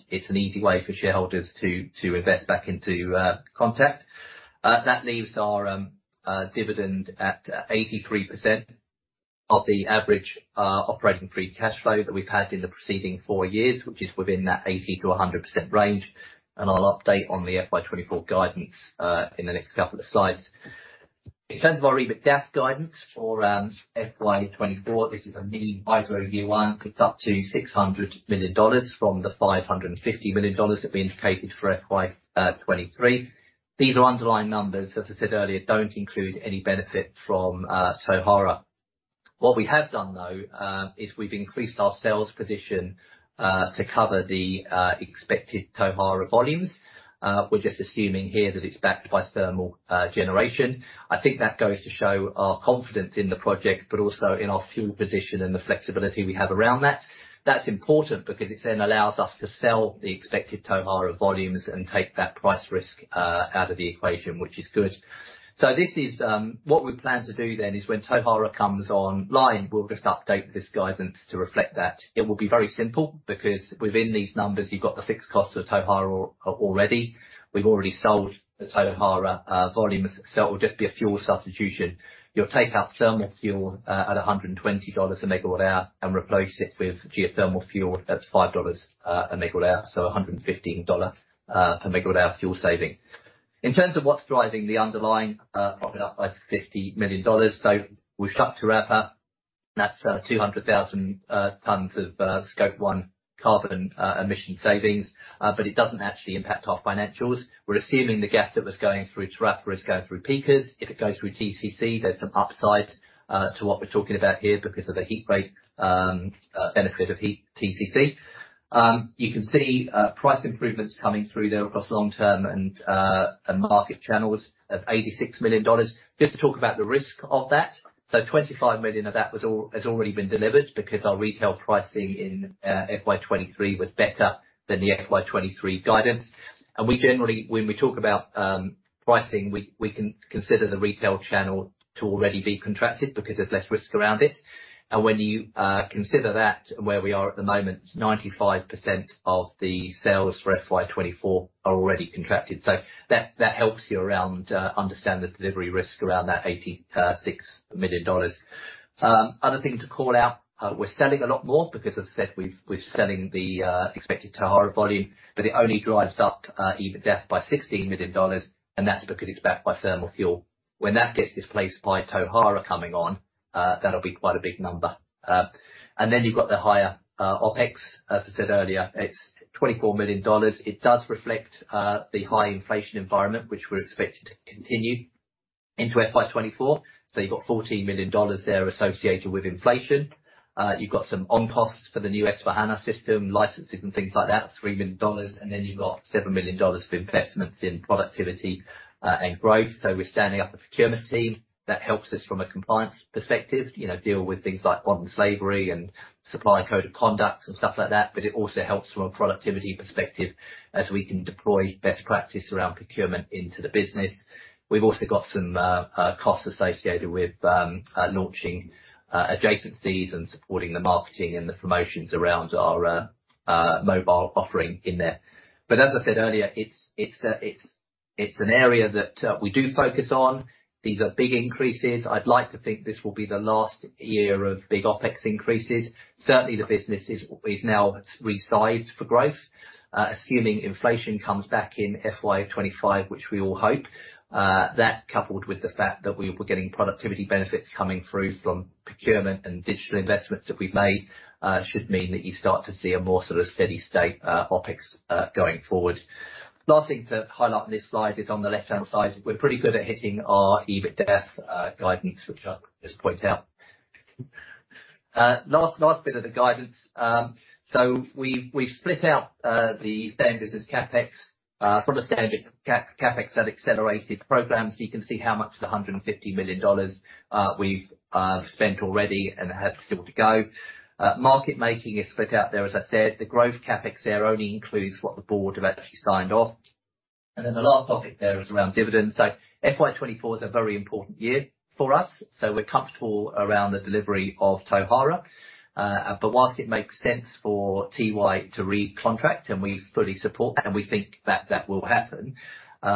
It's an easy way for shareholders to invest back into Contact. That leaves our dividend at 83% of the average operating free cash flow that we've had in the preceding four years, which is within that 80%-100% range. I'll update on the FY 2024 guidance in the next couple of slides. In terms of our EBITDA guidance for FY 2024, this is a mini micro review one. It's up to 600 million dollars from the 550 million dollars that we indicated for FY 2023. These are underlying numbers, as I said earlier, don't include any benefit from Tauhara. What we have done though, is we've increased our sales position to cover the expected Tauhara volumes. We're just assuming here that it's backed by thermal generation. I think that goes to show our confidence in the project, but also in our fuel position and the flexibility we have around that. That's important because it then allows us to sell the expected Tauhara volumes and take that price risk out of the equation, which is good. This is what we plan to do then, is when Tauhara comes online, we'll just update this guidance to reflect that. It will be very simple, because within these numbers, you've got the fixed costs of Tauhara already. We've already sold the Tauhara volumes, so it will just be a fuel substitution. You'll take out thermal fuel at $120 a MWh and replace it with geothermal fuel at $5 a MWh, so $115 per MWh of fuel saving. In terms of what's driving the underlying profit up by 50 million dollars. We shut Te Rapa, that's 200,000 tons of Scope One carbon emission savings, but it doesn't actually impact our financials. We're assuming the gas that was going through Te Rapa is going through peakers. If it goes through TCC, there's some upside to what we're talking about here because of the heat rate benefit of heat TCC. You can see price improvements coming through there across long term and market channels of 86 million dollars. Just to talk about the risk of that. Twenty-five million of that has already been delivered because our retail pricing in FY 2023 was better than the FY 2023 guidance. We generally, when we talk about pricing, we consider the retail channel to already be contracted because there's less risk around it. When you consider that where we are at the moment, 95% of the sales for FY 2024 are already contracted. That, that helps you understand the delivery risk around that 86 million dollars. Other thing to call out, we're selling a lot more because as I said, we've, we're selling the expected Tauhara volume, it only drives up EBITDA by 16 million dollars, and that's because it's backed by thermal fuel. When that gets displaced by Tauhara coming on, that'll be quite a big number. Then you've got the higher OpEx. As I said earlier, it's 24 million dollars. It does reflect the high inflation environment, which we're expecting to continue into FY 2024. You've got 14 million dollars there associated with inflation. You've got some on-costs for the new S/4HANA system, licenses and things like that, 3 million dollars. You've got 7 million dollars for investments in productivity and growth. We're standing up a procurement team that helps us from a compliance perspective, you know, deal with things like modern slavery and supplier code of conducts and stuff like that. It also helps from a productivity perspective, as we can deploy best practice around procurement into the business. We've also got some costs associated with launching adjacencies and supporting the marketing and the promotions around our mobile offering in there. As I said earlier, it's, it's an area that we do focus on. These are big increases. I'd like to think this will be the last year of big OpEx increases. Certainly, the business is now resized for growth, assuming inflation comes back in FY 2025, which we all hope. That, coupled with the fact that we were getting productivity benefits coming through from procurement and digital investments that we've made, should mean that you start to see a more sort of steady state OpEx going forward. Last thing to highlight on this slide is on the left-hand side. We're pretty good at hitting our EBITDA guidance, which I'll just point out. Last, last bit of the guidance. So we, we've split out the standard business CapEx from the standard CapEx and accelerated programs. You can see how much of the $150 million we've spent already and have still to go. Market making is split out there, as I said. The growth CapEx there only includes what the board have actually signed off. Then the last topic there is around dividends. FY 2024 is a very important year for us, so we're comfortable around the delivery of Tauhara. Whilst it makes sense for NZAS to recontract, and we fully support that, and we think that that will happen,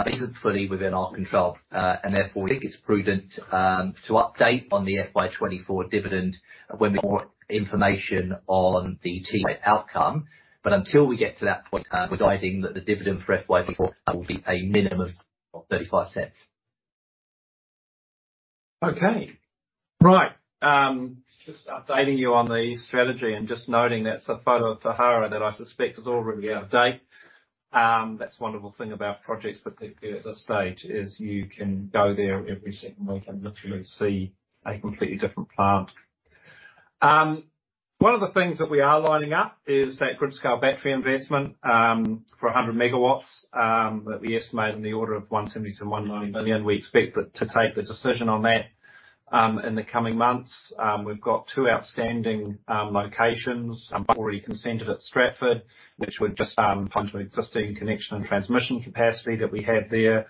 isn't fully within our control. Therefore, we think it's prudent to update on the FY 2024 dividend when we have more information on the NZAS outcome. Until we get to that point, we're guiding that the dividend for FY 2024 will be a minimum of 0.35. Okay. Right. Just updating you on the strategy and just noting that's a photo of Tauhara that I suspect is already out of date. That's the wonderful thing about projects, particularly at this stage, is you can go there every single week and literally see a completely different plant. One of the things that we are lining up is that Grid-Scale Battery investment for 100 MW that we estimate in the order of 170 million-190 million. We expect it to take the decision on that in the coming months. We've got two outstanding locations already consented at Stratford, which would just plug to an existing connection and transmission capacity that we have there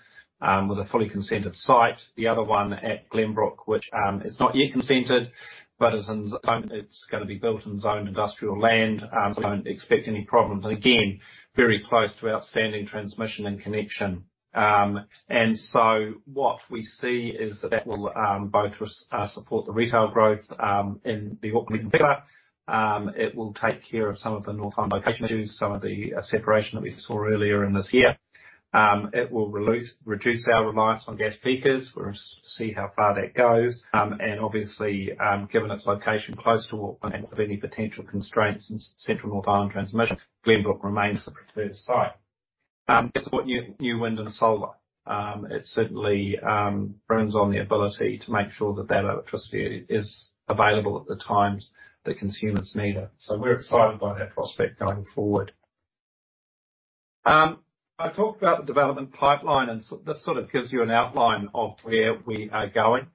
with a fully consented site. The other one at Glenbrook which is not yet consented but is gonna be built in zone industrial land, so don't expect any problems. Again, very close to outstanding transmission and connection. So what we see is that that will both support the retail growth in the Auckland configure. It will take care of some of the Northland location, some of the separation that we saw earlier in this year. It will reduce our reliance on gas peakers. We'll see how far that goes. Obviously, given its location close to Auckland, any potential constraints in central North Island transmission, Glenbrook remains the preferred site. It's what new, new wind and solar. It certainly brings on the ability to make sure that that electricity is available at the times that consumers need it. We're excited by that prospect going forward. I talked about the development pipeline, and so this sort of gives you an outline of where we are going.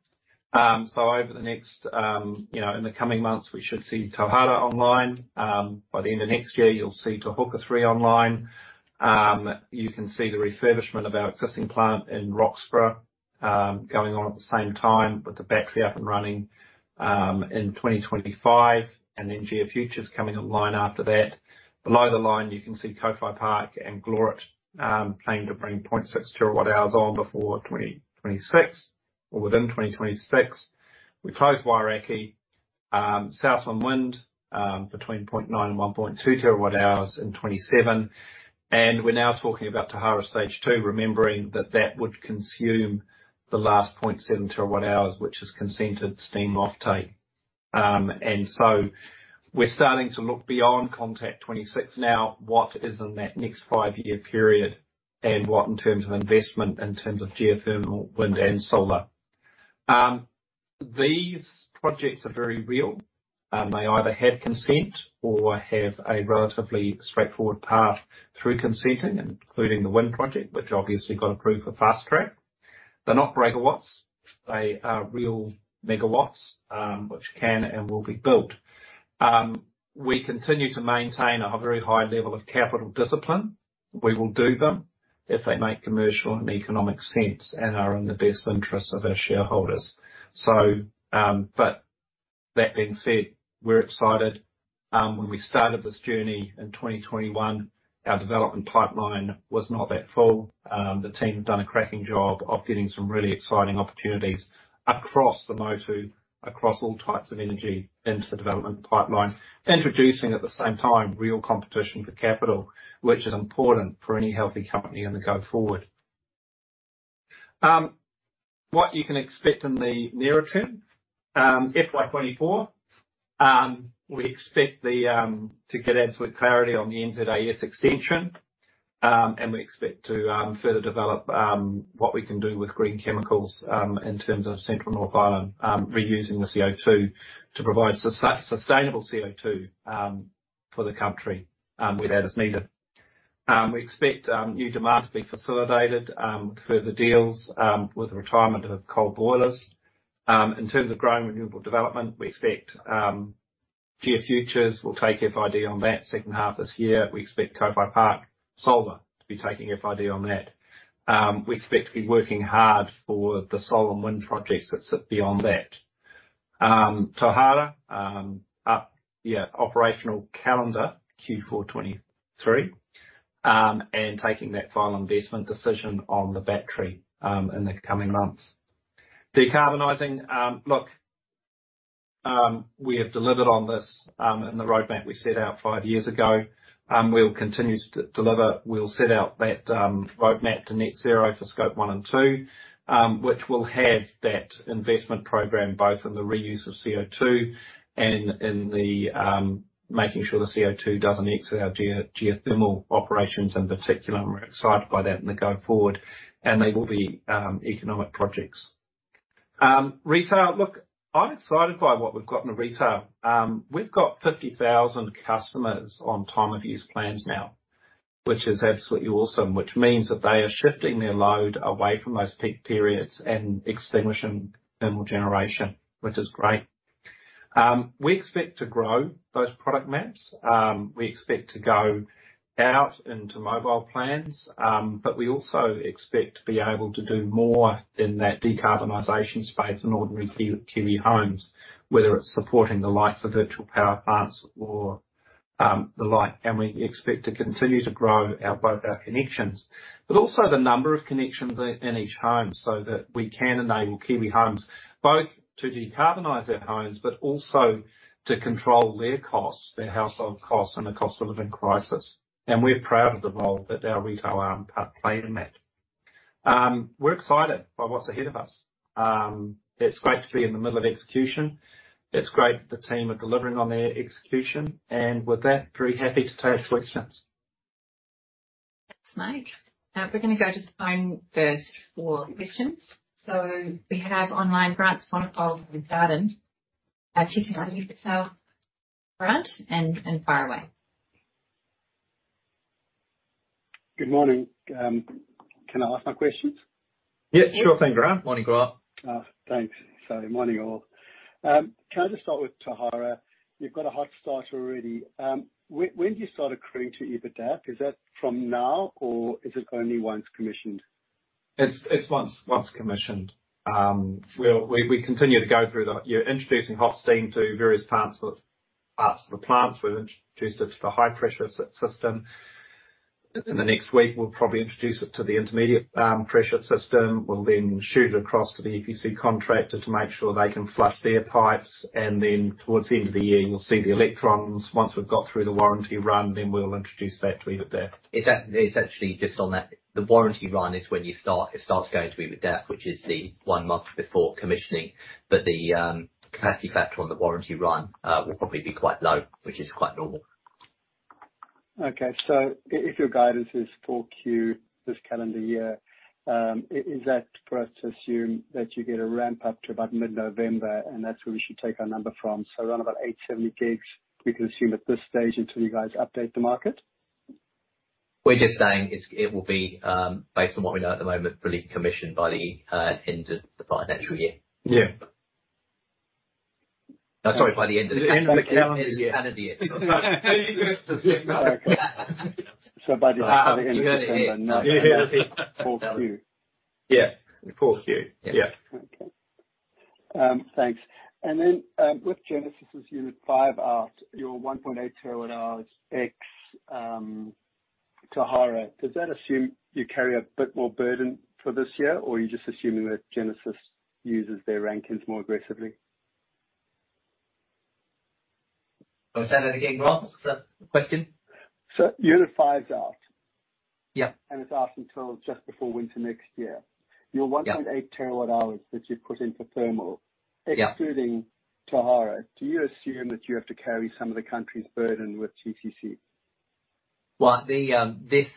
Over the next, you know, in the coming months, we should see Tauhara online. By the end of next year, you'll see Te Huka 3 online. You can see the refurbishment of our existing plant in Roxburgh going on at the same time, with the battery up and running in 2025, and then Geofutures coming online after that. Below the line, you can see Kōwhai Park and Glorit planning to bring 0.6 TWh on before 2026 or within 2026. We closed Wairakei, Southland Wind, between 0.9 and 1.2 TWh in 2027, and we're now talking about Tauhara stage two, remembering that that would consume the last 0.7 TWh, which is consented steam offtake. So we're starting to look beyond Contact 2026 now, what is in that next five-year period, and what in terms of investment, in terms of geothermal, wind, and solar. These projects are very real. They either have consent or have a relatively straightforward path through consenting, including the wind project, which obviously got approved for fast track. They're not MW, they are real MW, which can and will be built. We continue to maintain a very high level of capital discipline. We will do them if they make commercial and economic sense and are in the best interest of our shareholders. But that being said, we're excited. When we started this journey in 2021, our development pipeline was not that full. The team have done a cracking job of getting some really exciting opportunities across the Motu, across all types of energy into the development pipeline. Introducing, at the same time, real competition for capital, which is important for any healthy company in the go forward. What you can expect in the near term, FY 2024, we expect to get absolute clarity on the NZAS extension, and we expect to further develop what we can do with green chemicals, in terms of Central North Island, reusing the CO2 to provide sustainable CO2 for the country, where that is needed. We expect new demand to be facilitated with further deals with the retirement of coal boilers. In terms of growing renewable development, we expect Geofutures will take FID on that second half this year. We expect Kōwhai Park Solar to be taking FID on that. We expect to be working hard for the solar and wind projects that sit beyond that. Tauhara, up, yeah, operational calendar Q4 2023, and taking that Final Investment Decision on the battery in the coming months. Decarbonizing, look, we have delivered on this in the roadmap we set out five years ago. We'll continue to, to deliver. We'll set out that roadmap to net zero for Scope one and two, which will have that investment program, both in the reuse of CO2 and in the making sure the CO2 doesn't exit our geothermal operations in particular. We're excited by that in the going forward. They will be economic projects. Retail. Look, I'm excited by what we've got in retail. We've got 50,000 customers on time of use plans now, which is absolutely awesome, which means that they are shifting their load away from those peak periods and extinguishing thermal generation, which is great. We expect to grow those product maps. We expect to go out into mobile plans, but we also expect to be able to do more in that decarbonization space in ordinary Kiwi homes, whether it's supporting the likes of virtual power plants or the like. And we expect to continue to grow our, both our connections, but also the number of connections in each home, so that we can enable Kiwi homes, both to decarbonize their homes, but also to control their costs, their household costs, and the cost of living crisis. And we're proud of the role that our retail arm play in that. We're excited by what's ahead of us. It's great to be in the middle of execution. It's great that the team are delivering on their execution, and with that, very happy to take questions. Thanks, Mike. We're going to go to the phone first for questions. We have online, Grant Swanepoel of Jarden. Do you want to unmute yourself, Grant, and fire away. Good morning. can I ask my questions? Sure thing, Grant. Morning, Grant. Thanks. Morning, all. Can I just start with Tauhara? You've got a hot start already. When do you start accruing to EBITDA? Is that from now, or is it only once commissioned? It's once commissioned. You're introducing hot steam to various parts of the plants. We've introduced it to the high-pressure system. In the next week, we'll probably introduce it to the intermediate pressure system. We'll then shoot it across to the EPC contractor to make sure they can flush their pipes, and then towards the end of the year, you'll see the electrons. Once we've got through the warranty run, then we'll introduce that to EBITDA. It's essentially just on that, the warranty run is when you start, it starts going to EBITDA, which is the one month before commissioning, but the capacity factor on the warranty run will probably be quite low, which is quite normal. Okay. If your guidance is four Q this calendar year, is that for us to assume that you get a ramp up to about mid-November, and that's where we should take our number from? Around about 870 gigs, we can assume at this stage until you guys update the market. We're just saying, it's, it will be, based on what we know at the moment, fully commissioned by the end of the financial year. Yeah. Sorry, by the end of the calendar year. End of the calendar year. By the end of the calendar year. You heard it here. Yeah. Fourth Q. Yeah. Fourth Q. Yeah. Yeah. Okay. Thanks. With Genesis' Unit 5 out, your 1.8 TWh x Tauhara, does that assume you carry a bit more burden for this year, or are you just assuming that Genesis uses their Rankines more aggressively? Oh, say that again, Grant, sir? The question. Unit 5's out. Yeah. It's out until just before winter next year. Yeah. Your 1.8 TWh that you've put in for thermal- Yeah... excluding Tauhara, do you assume that you have to carry some of the country's burden with TCC? Well, the, this,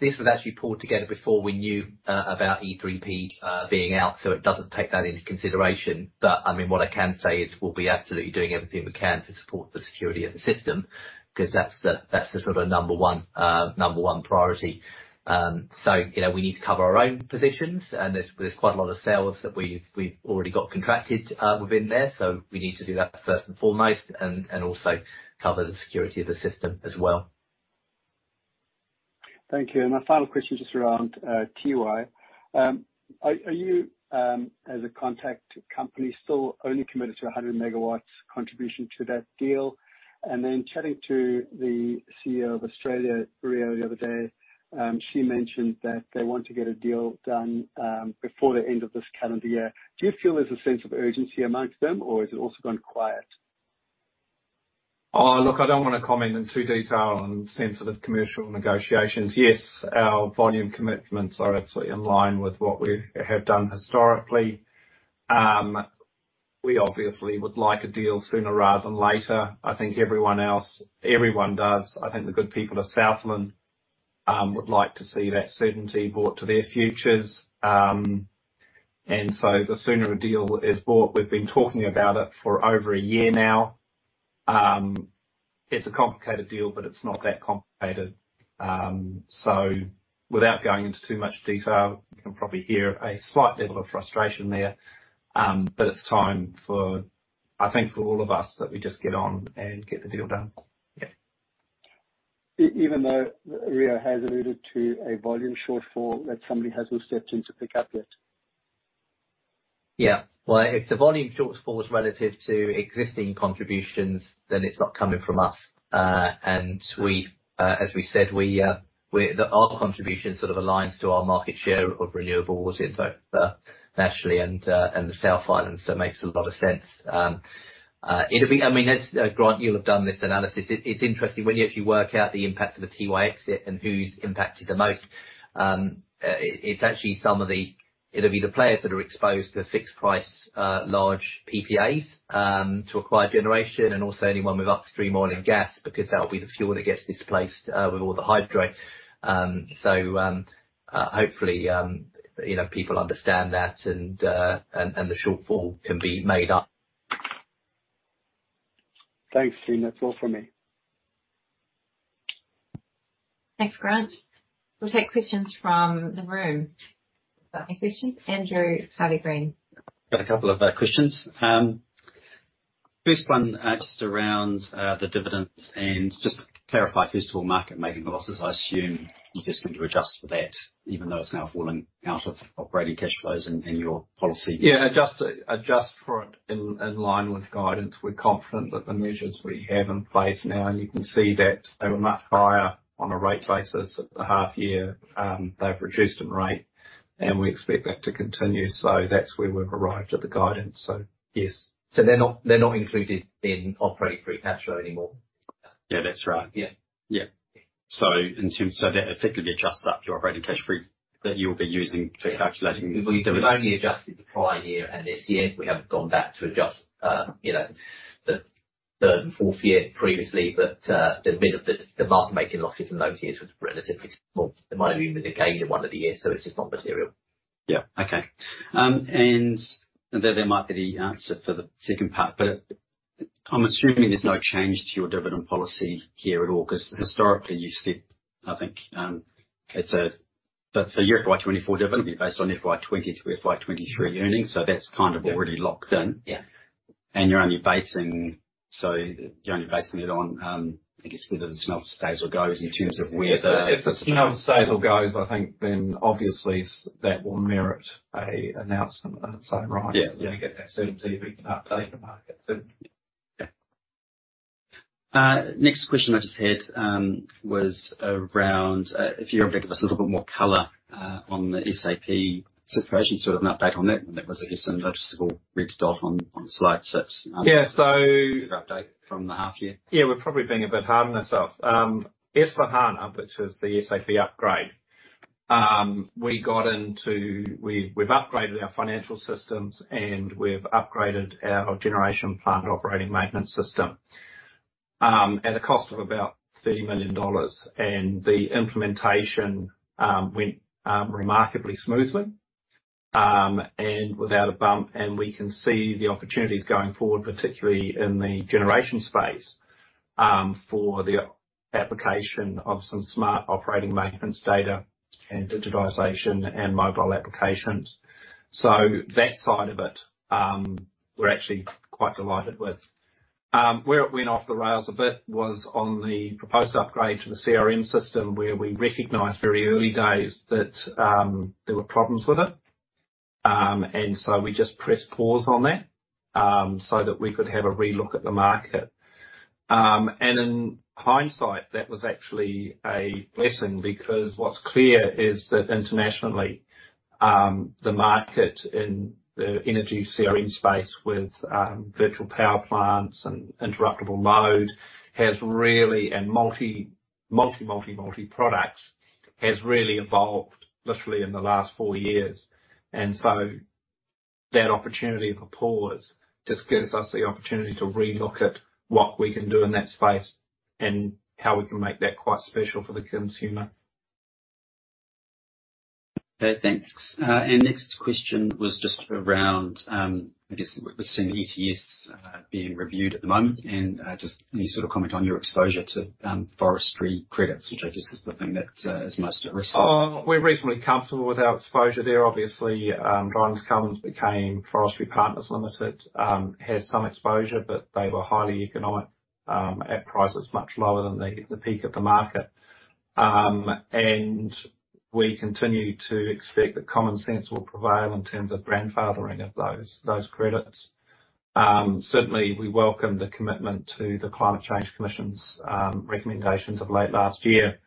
this was actually pulled together before we knew about e3p being out, so it doesn't take that into consideration. I mean, what I can say is we'll be absolutely doing everything we can to support the security of the system, 'cause that's the, that's the sort of number one, number one priority. So, you know, we need to cover our own positions, and there's, there's quite a lot of sales that we've, we've already got contracted within there. We need to do that first and foremost and, and also cover the security of the system as well. Thank you. My final question, just around NZAS. Are, are you, as a Contact Energy, still only committed to 100 MW contribution to that deal? Then chatting to the CEO of Australia, Rio Tinto, the other day, she mentioned that they want to get a deal done before the end of this calendar year. Do you feel there's a sense of urgency amongst them, or has it also gone quiet? Oh, look, I don't want to comment in too detail on sensitive commercial negotiations. Yes, our volume commitments are absolutely in line with what we have done historically. We obviously would like a deal sooner rather than later. I think everyone else, everyone does. I think the good people of Southland would like to see that certainty brought to their futures. The sooner a deal is brought, we've been talking about it for over a year now. It's a complicated deal, but it's not that complicated. Without going into too much detail, you can probably hear a slight level of frustration there, but it's time for, I think, for all of us, that we just get on and get the deal done. Yeah. Even though Rio has alluded to a volume shortfall that somebody hasn't stepped in to pick up yet? Yeah. Well, if the volume shortfall is relative to existing contributions, then it's not coming from us. And we, as we said, we our contribution sort of aligns to our market share of renewables in both nationally and the South Island, so it makes a lot of sense. I mean, as Grant, you'll have done this analysis, it, it's interesting, when you if you work out the impact of a NZAS exit and who's impacted the most, it's actually some of the... It'll be the players that are exposed to fixed price, large PPAs, to acquired generation, and also anyone with upstream oil and gas, because that'll be the fuel that gets displaced with all the hydro. Hopefully, you know, people understand that and, and, and the shortfall can be made up. Thanks, team. That's all for me. Thanks, Grant. We'll take questions from the room. Any questions? Andrew Harvey-Green. Got two questions. First one, just around the dividends. Just to clarify, first of all, market making losses. I assume you're just going to adjust for that, even though it's now falling out of operating cash flows and your policy. Yeah, adjust, adjust for it in, in line with guidance. We're confident that the measures we have in place now, and you can see that they were much higher on a rate basis at the half year. They've reduced in rate, and we expect that to continue. That's where we've arrived at the guidance so, yes. They're not, they're not included in operating free cash flow anymore? Yeah, that's right. Yeah. Yeah. That effectively adjusts up your operating cash free, that you'll be using for calculating. We've only adjusted the prior year and this year. We haven't gone back to adjust, you know, the, the fourth year previously, but the bit of the, the market making losses in those years was relatively small. It might have even been a gain in one of the years, so it's just not material. Yeah. Okay. There, there might be the answer for the second part, but I'm assuming there's no change to your dividend policy here at all, 'cause historically you've said, I think, that the year FY 2024 dividend will be based on FY 2020 to FY 2023 earnings. So that's kind of already locked in. Yeah. You're only basing, so you're only basing it on, I guess, whether the SNL stays or goes in terms of where the. If the NZAS stays or goes, I think then, obviously, that will merit an announcement in its own right. Yeah. You get that certainty, we can update the market.... Yeah. Next question I just had, was around, if you're able to give us a little bit more color, on the SAP situation, sort of an update on that. That was, I guess, the noticeable red dot on, on slide six. Yeah. An update from the half year. Yeah, we're probably being a bit hard on ourself. S/4HANA, which is the SAP upgrade, we got into... We've, we've upgraded our financial systems, and we've upgraded our generation plant operating maintenance system, at a cost of about 30 million dollars. The implementation went remarkably smoothly and without a bump. We can see the opportunities going forward, particularly in the generation space, for the application of some smart operating maintenance data and digitization and mobile applications. That side of it, we're actually quite delighted with. Where it went off the rails a bit was on the proposed upgrade to the CRM system, where we recognized very early days that there were problems with it. We just pressed pause on that so that we could have a relook at the market. In hindsight, that was actually a blessing, because what's clear is that internationally, the market in the energy CRM space with virtual power plants and interruptible mode, has really... And multi, multi, multi, multi products, has really evolved literally in the last four years. That opportunity of a pause just gives us the opportunity to relook at what we can do in that space and how we can make that quite special for the consumer. Okay, thanks. Next question was just around, I guess, we're seeing the ETS, being reviewed at the moment, and, just any sort of comment on your exposure to, forestry credits, which I guess is the thing that, is most at risk. We're reasonably comfortable with our exposure there. Obviously, Driving Carbon became Forestry Partners Limited has some exposure, but they were highly economic at prices much lower than the peak of the market. We continue to expect that common sense will prevail in terms of grandfathering of those, those credits. Certainly, we welcome the commitment to the Climate Change Commission's recommendations of late last year.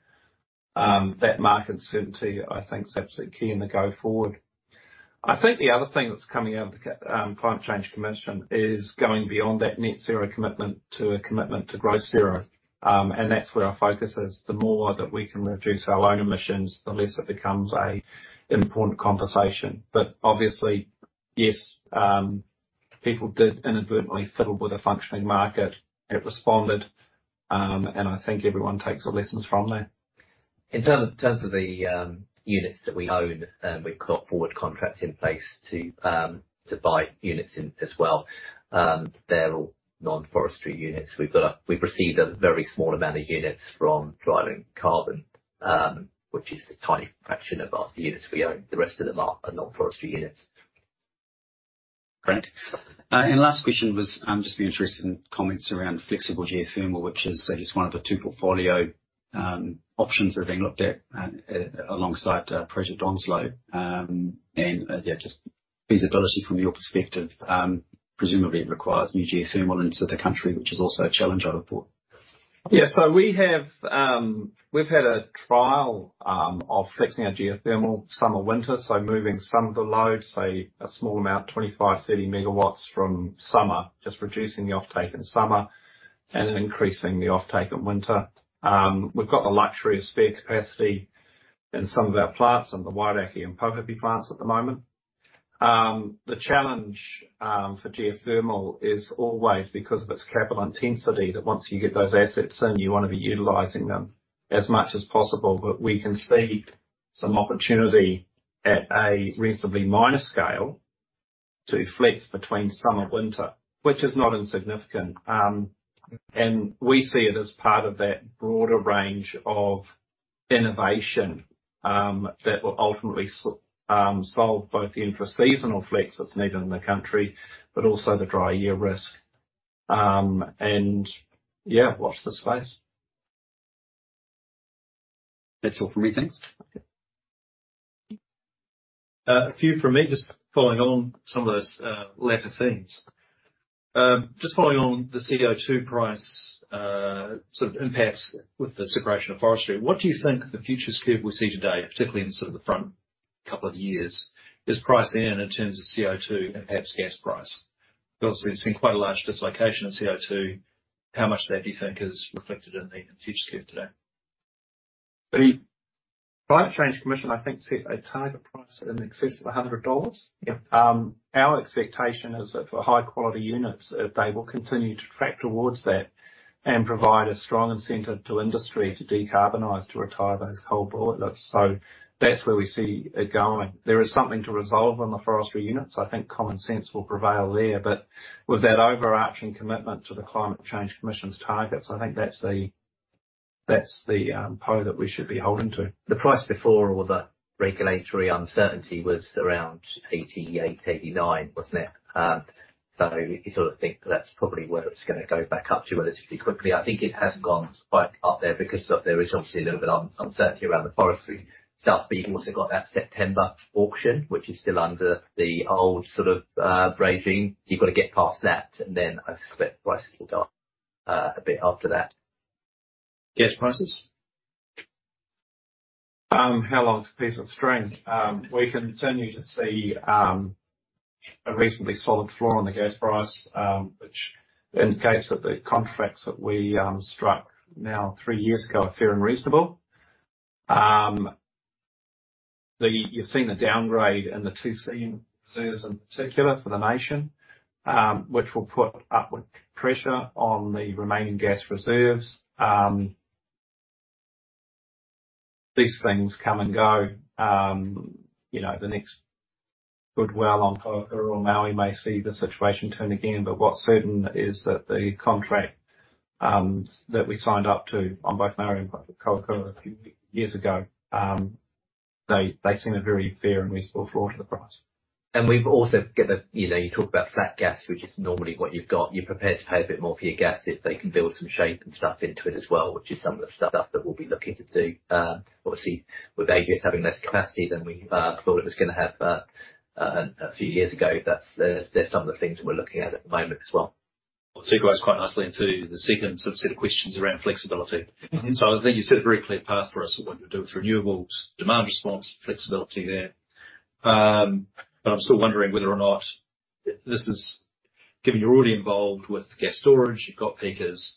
That market certainty, I think, is absolutely key in the go forward. I think the other thing that's coming out of the Climate Change Commission is going beyond that net zero commitment to a commitment to gross zero. That's where our focus is. The more that we can reduce our own emissions, the less it becomes a important conversation. Obviously, yes, people did inadvertently fiddle with a functioning market. It responded, and I think everyone takes their lessons from that. In terms, terms of the units that we own, and we've got forward contracts in place to to buy units in as well, they're all non-forestry units. We've received a very small amount of units from Driving Carbon, which is a tiny fraction of our units we own. The rest of them are, are non-forestry units. Great. Last question was, I'm just been interested in comments around flexible geothermal, which is just one of the two portfolio options that are being looked at alongside Project Onslow. Yeah, just feasibility from your perspective, presumably requires new geothermal into the country, which is also a challenge, I report. Yeah. We have, we've had a trial of fixing our geothermal summer/winter. Moving some of the load, say, a small amount, 25, 30 MW from summer, just reducing the offtake in summer, and increasing the offtake in winter. We've got the luxury of spare capacity in some of our plants, in the Wairakei and Taupo plants at the moment. The challenge for geothermal is always because of its capital intensity, that once you get those assets in, you want to be utilizing them as much as possible. We can see some opportunity at a reasonably minor scale to flex between summer, winter, which is not insignificant. We see it as part of that broader range of innovation that will ultimately so, solve both the intra-seasonal flex that's needed in the country, but also the dry year risk. Yeah, watch this space. That's all from me. Thanks. A few from me, just following on some of those latter themes. Just following on the CO2 price, sort of impacts with the separation of forestry. What do you think the future scope we see today, particularly in sort of the front couple of years, is priced in, in terms of CO2 and perhaps gas price? Obviously, we've seen quite a large dislocation in CO2. How much of that do you think is reflected in the future scope today? The Climate Change Commission, I think, set a target price in excess of 100 dollars. Yeah. Our expectation is that for high quality units, they will continue to track towards that and provide a strong incentive to industry to decarbonize, to retire those coal bullet lists. That's where we see it going. There is something to resolve on the forestry units. I think common sense will prevail there, but with that overarching commitment to the Climate Change Commission's targets, I think that's the, that's the pole that we should be holding to. The price before all the regulatory uncertainty was around 88, 89, wasn't it? You sort of think that's probably where it's gonna go back up to relatively quickly. I think it has gone quite up there because there is obviously a little bit uncertainty around the forestry stuff, you've also got that September auction, which is still under the old sort of regime. You've got to get past that, then I expect prices will go up a bit after that. Gas prices? How long is a piece of string? We continue to see a reasonably solid floor on the gas price, which indicates that the contracts that we struck now three years ago, are fair and reasonable. The... You've seen a downgrade in the 2C reserves in particular for the nation, which will put upward pressure on the remaining gas reserves. These things come and go. You know, the next good well on Kapuni or Maui may see the situation turn again, but what's certain is that the contract that we signed up to on both Maui and Kapuni a few years ago, they, they seem a very fair and reasonable floor to the price. We've also got the, you know, you talk about flat gas, which is normally what you've got. You're prepared to pay a bit more for your gas if they can build some shape and stuff into it as well, which is some of the stuff that we'll be looking to do. Obviously, with AGS having less capacity than we thought it was gonna have a few years ago, they're some of the things that we're looking at at the moment as well. Well, it segues quite nicely into the second subset of questions around flexibility. Mm-hmm. I think you set a very clear path for us of what you're doing with renewables, demand response, flexibility there. I'm still wondering whether or not this is... Given you're already involved with gas storage, you've got peakers,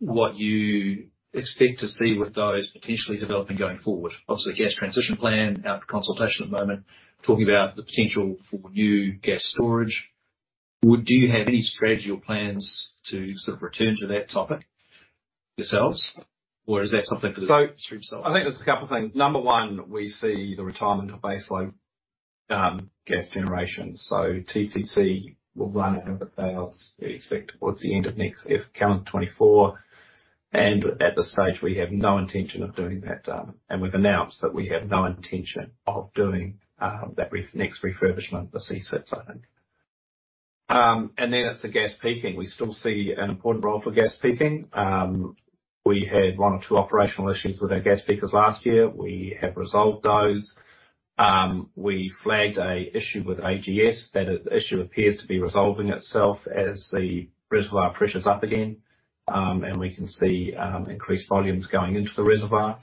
what you expect to see with those potentially developing going forward? Obviously, Gas Transition Plan out for consultation at the moment, talking about the potential for new gas storage. Do you have any strategy or plans to sort of return to that topic yourselves, or is that something for the... I think there's a couple of things. Number one, we see the retirement of baseline, gas generation, so TCC will run out of the fails. We expect towards the end of next year, calendar 2024, at this stage, we have no intention of doing that, and we've announced that we have no intention of doing, next refurbishment, the C6, I think. Then it's the gas peaking. We still see an important role for gas peaking. We had one or two operational issues with our gas peakers last year. We have resolved those. We flagged a issue with AGS. That issue appears to be resolving itself as the reservoir pressures up again, and we can see, increased volumes going into the reservoir.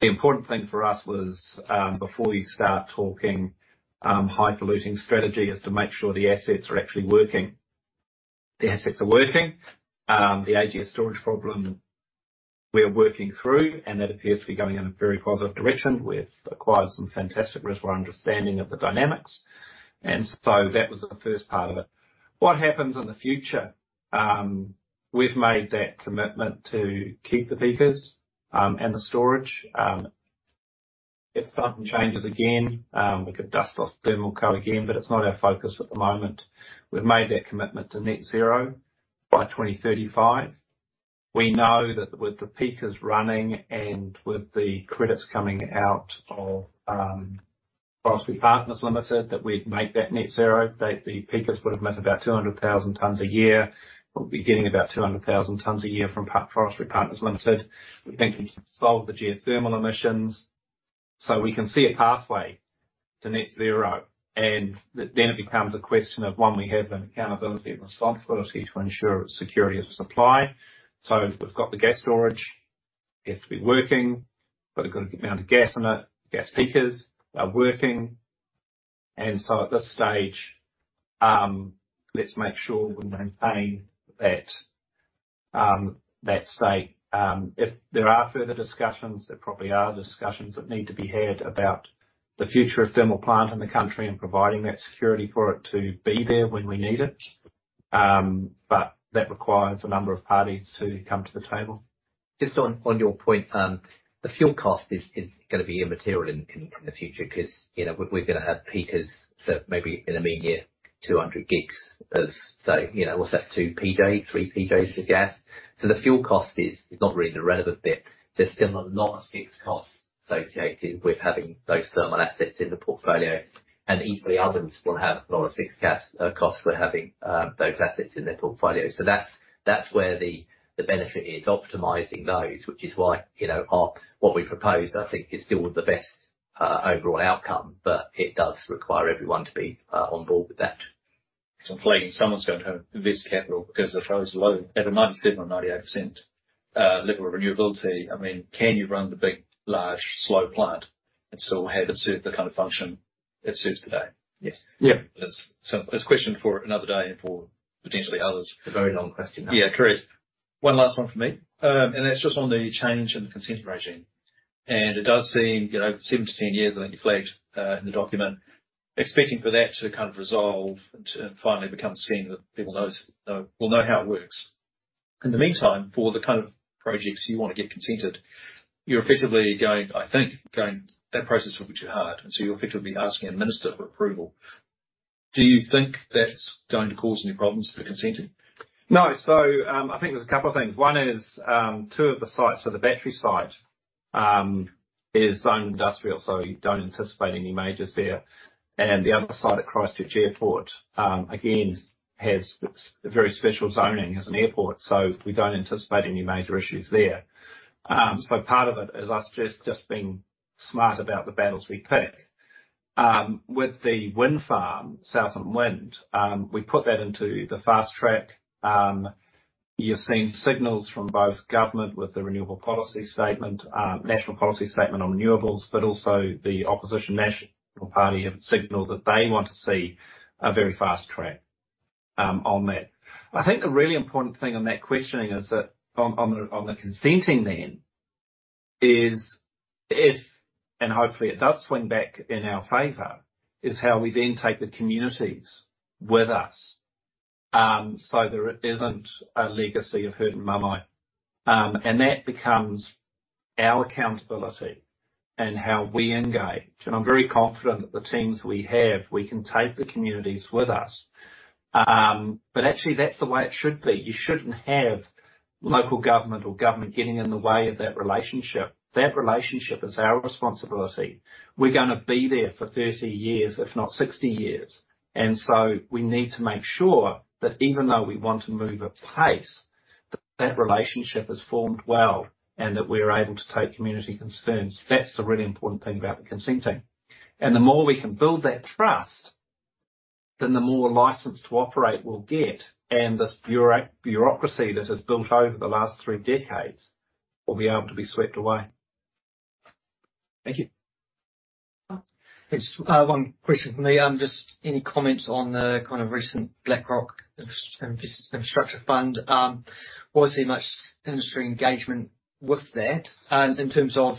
The important thing for us was, before you start talking, high polluting strategy, is to make sure the assets are actually working. The assets are working, the AGS storage problem we are working through, and that appears to be going in a very positive direction. We've acquired some fantastic reservoir understanding of the dynamics, that was the first part of it. What happens in the future? We've made that commitment to keep the peakers and the storage. If something changes again, we could dust off the thermal coal again, but it's not our focus at the moment. We've made that commitment to net zero by 2035. We know that with the peakers running and with the credits coming out of Forestry Partners Limited, that we'd make that net zero. The, the peakers would have meant about 200,000 tons a year. We'll be getting about 200,000 tons a year from Forestry Partners Limited. We think we can solve the geothermal emissions. We can see a pathway to net zero, and then it becomes a question of, one, we have an accountability and responsibility to ensure security of supply. We've got the gas storage, it has to be working, but a good amount of gas in it, gas peakers are working. At this stage, let's make sure we maintain that, that state. If there are further discussions, there probably are discussions that need to be had about the future of thermal plant in the country and providing that security for it to be there when we need it.... That requires a number of parties to come to the table. Just on, on your point, the fuel cost is, is gonna be immaterial in, in, in the future 'cause, you know, we're, we're gonna have peaks, so maybe in a mean year, 200 gigs of-- so, you know, what's that? 2 PJs, 3 PJs of gas. The fuel cost is not really the relevant bit. There's still a lot of fixed costs associated with having those thermal assets in the portfolio, and equally, others will have a lot of fixed costs for having, those assets in their portfolio. That's, that's where the, the benefit is, optimizing those, which is why, you know, our-- what we propose, I think, is still the best, overall outcome, but it does require everyone to be, on board with that. I'm thinking someone's going to have to invest capital, because if I was low, at a 97% or 98%, level of renewability, I mean, can you run the big, large, slow plant and still have it serve the kind of function it serves today? Yes. Yeah. That's. It's a question for another day and for potentially others. A very long question. Yeah, correct. One last one from me, and that's just on the change in the consent regime. It does seem, you know, seven-10 years, I think, you flagged in the document, expecting for that to kind of resolve and to finally become a scheme that people knows, will know how it works. In the meantime, for the kind of projects you want to get consented, you're effectively going, I think, going that process over which you're hard, and so you're effectively asking a minister for approval. Do you think that's going to cause any problems for consenting? No. I think there's a couple of things. One is, two of the sites, so the battery site, is zoned industrial, so you don't anticipate any majors there. The other site at Christchurch Airport, again, has a very special zoning as an airport, so we don't anticipate any major issues there. Part of it is us just, just being smart about the battles we pick. With the wind farm, Southland Wind, we put that into the fast track. You're seeing signals from both government with the Renewable Policy Statement, National Policy Statement on Renewables, also the opposition National Party have signaled that they want to see a very fast track on that. I think the really important thing on that questioning is that on, on the, on the consenting then, is if, and hopefully it does swing back in our favor, is how we then take the communities with us, so there isn't a legacy of hurt and malai. That becomes our accountability and how we engage. I'm very confident that the teams we have, we can take the communities with us. Actually, that's the way it should be. You shouldn't have local government or government getting in the way of that relationship. That relationship is our responsibility. We're gonna be there for 30 years, if not 60 years, we need to make sure that even though we want to move at pace, that relationship is formed well, and that we're able to take community concerns. That's the really important thing about the consenting. The more we can build that trust, then the more license to operate we'll get, and this bureaucracy that has built over the last three decades will be able to be swept away. Thank you. Thanks. One question from me. Just any comments on the kind of recent BlackRock Inf- Investment Infrastructure Fund? Was there much industry engagement with that, in terms of,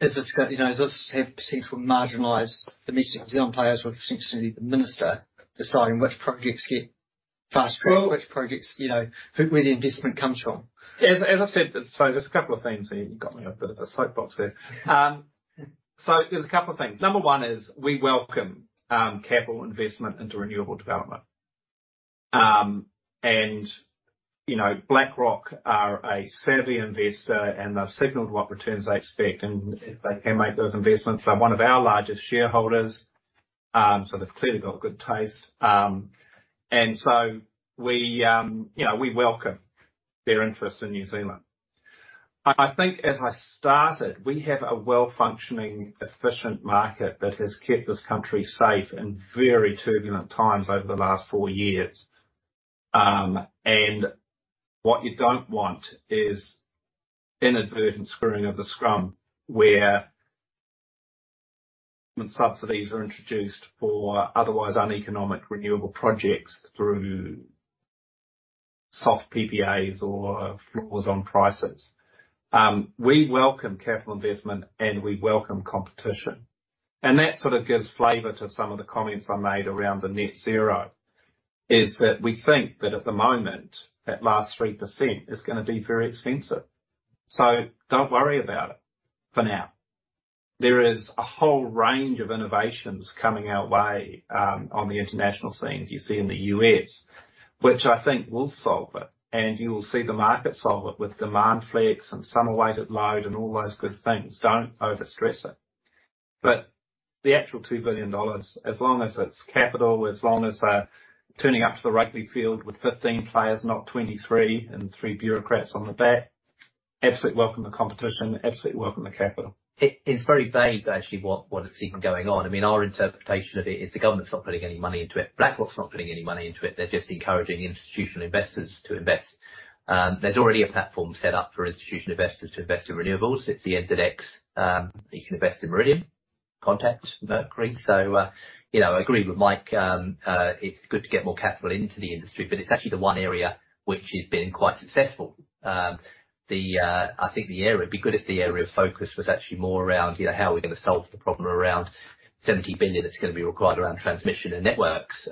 is this gonna, you know, does this have potential to marginalize domestic New Zealand players with potentially the minister deciding which projects get fast-tracked- Well- Which projects, you know, who, where the investment comes from? As, as I said, there's a couple of things there. You got me on a bit of a soapbox there. There's a couple of things. Number one is, we welcome capital investment into renewable development. And, you know, BlackRock are a savvy investor, and they've signaled what returns they expect, and if they can make those investments, they're one of our largest shareholders, they've clearly got good taste. And we, you know, we welcome their interest in New Zealand. I, I think as I started, we have a well-functioning, efficient market that has kept this country safe in very turbulent times over the last four years. And what you don't want is inadvertent screwing of the scrum, where subsidies are introduced for otherwise uneconomic renewable projects through soft PPAs or floors on prices. We welcome capital investment, and we welcome competition. That sort of gives flavor to some of the comments I made around the net zero, is that we think that at the moment, that last 3% is gonna be very expensive. Don't worry about it for now. There is a whole range of innovations coming our way on the international scene, as you see in the U.S., which I think will solve it, and you will see the market solve it with demand flex, and summer weighted load, and all those good things. Don't overstress it. The actual 2 billion dollars, as long as it's capital, as long as they're turning up to the rugby field with 15 players, not 23, and three bureaucrats on the back, absolutely welcome the competition, absolutely welcome the capital. It, it's very vague, actually, what, what is even going on. I mean, our interpretation of it is the government's not putting any money into it. BlackRock's not putting any money into it. They're just encouraging institutional investors to invest. There's already a platform set up for institutional investors to invest in renewables. It's the NZX. You can invest in Meridian, Contact, Mercury. You know, I agree with Mike. It's good to get more capital into the industry, but it's actually the one area which he's been quite successful. I think it'd be good if the area of focus was actually more around, you know, how are we gonna solve the problem around 70 billion that's gonna be required around transmission and networks,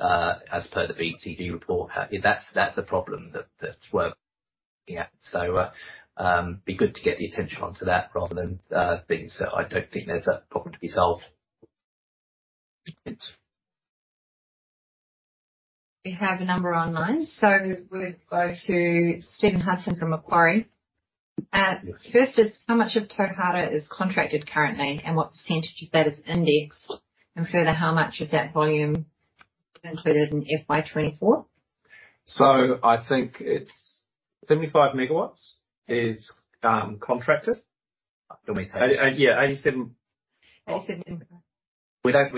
as per the BCD report. That's, that's a problem. Be good to get the attention onto that rather than things that I don't think there's a problem to be solved. Thanks. We have a number online, so we'll go to Stephen Hudson from Macquarie. First is, how much of Tauhara is contracted currently, and what percentage of that is indexed? Further, how much of that volume is included in FY 2024? I think it's 75 MW is contracted. You want me to- Yeah, 87. 87. We're not, If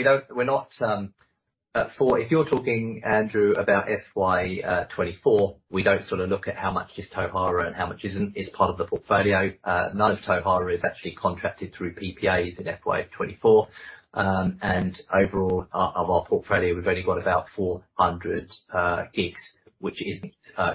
you're talking, Andrew, about FY 2024, we don't sort of look at how much is Tauhara and how much isn't, it's part of the portfolio. None of Tauhara is actually contracted through PPAs in FY 2024. Overall, of our portfolio, we've only got about 400 gigs, which isn't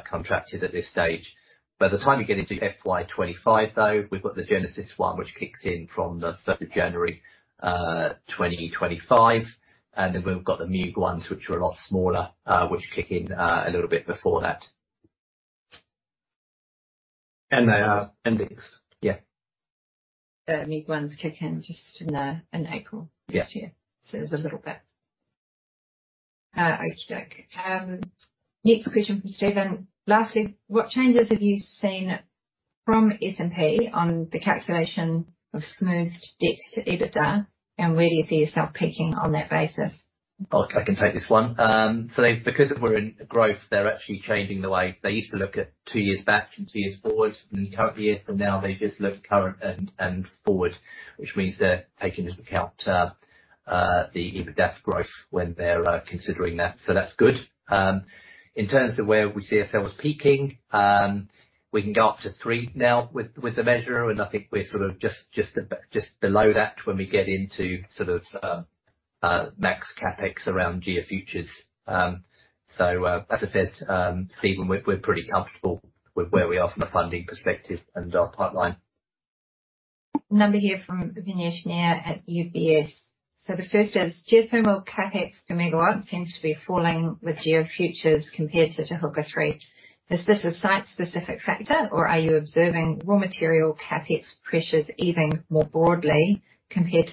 contracted at this stage. By the time you get into FY 2025, though, we've got the Genesis one, which kicks in from the first of January, 2025, and then we've got the MEAG ones, which are a lot smaller, which kick in a little bit before that. They are indexed. Yeah. The MEAG ones kick in just in, in April this year. Yeah. There's a little bit. Okie-doke. Next question from Stephen: lastly, what changes have you seen from S&P on the calculation of smoothed debt to EBITDA, and where do you see yourself peaking on that basis? I, I can take this one. They-- because we're in growth, they're actually changing the way, they used to look at two years back and two years forward and the current year. For now, they just look current and, and forward, which means they're taking into account the EBITDA debt growth when they're considering that, so that's good. In terms of where we see ourselves peaking, we can go up to 3 now with the measure, and I think we're sort of just, just, just below that when we get into sort of max CapEx around Geofutures. As I said, Stephen, we're, we're pretty comfortable with where we are from a funding perspective and our pipeline. Another here from Vignesh Nair at UBS. The first is, geothermal CapEx per megawatt seems to be falling with Geofutures compared to Te Huka 3. Is this a site-specific factor, or are you observing raw material CapEx pressures easing more broadly compared to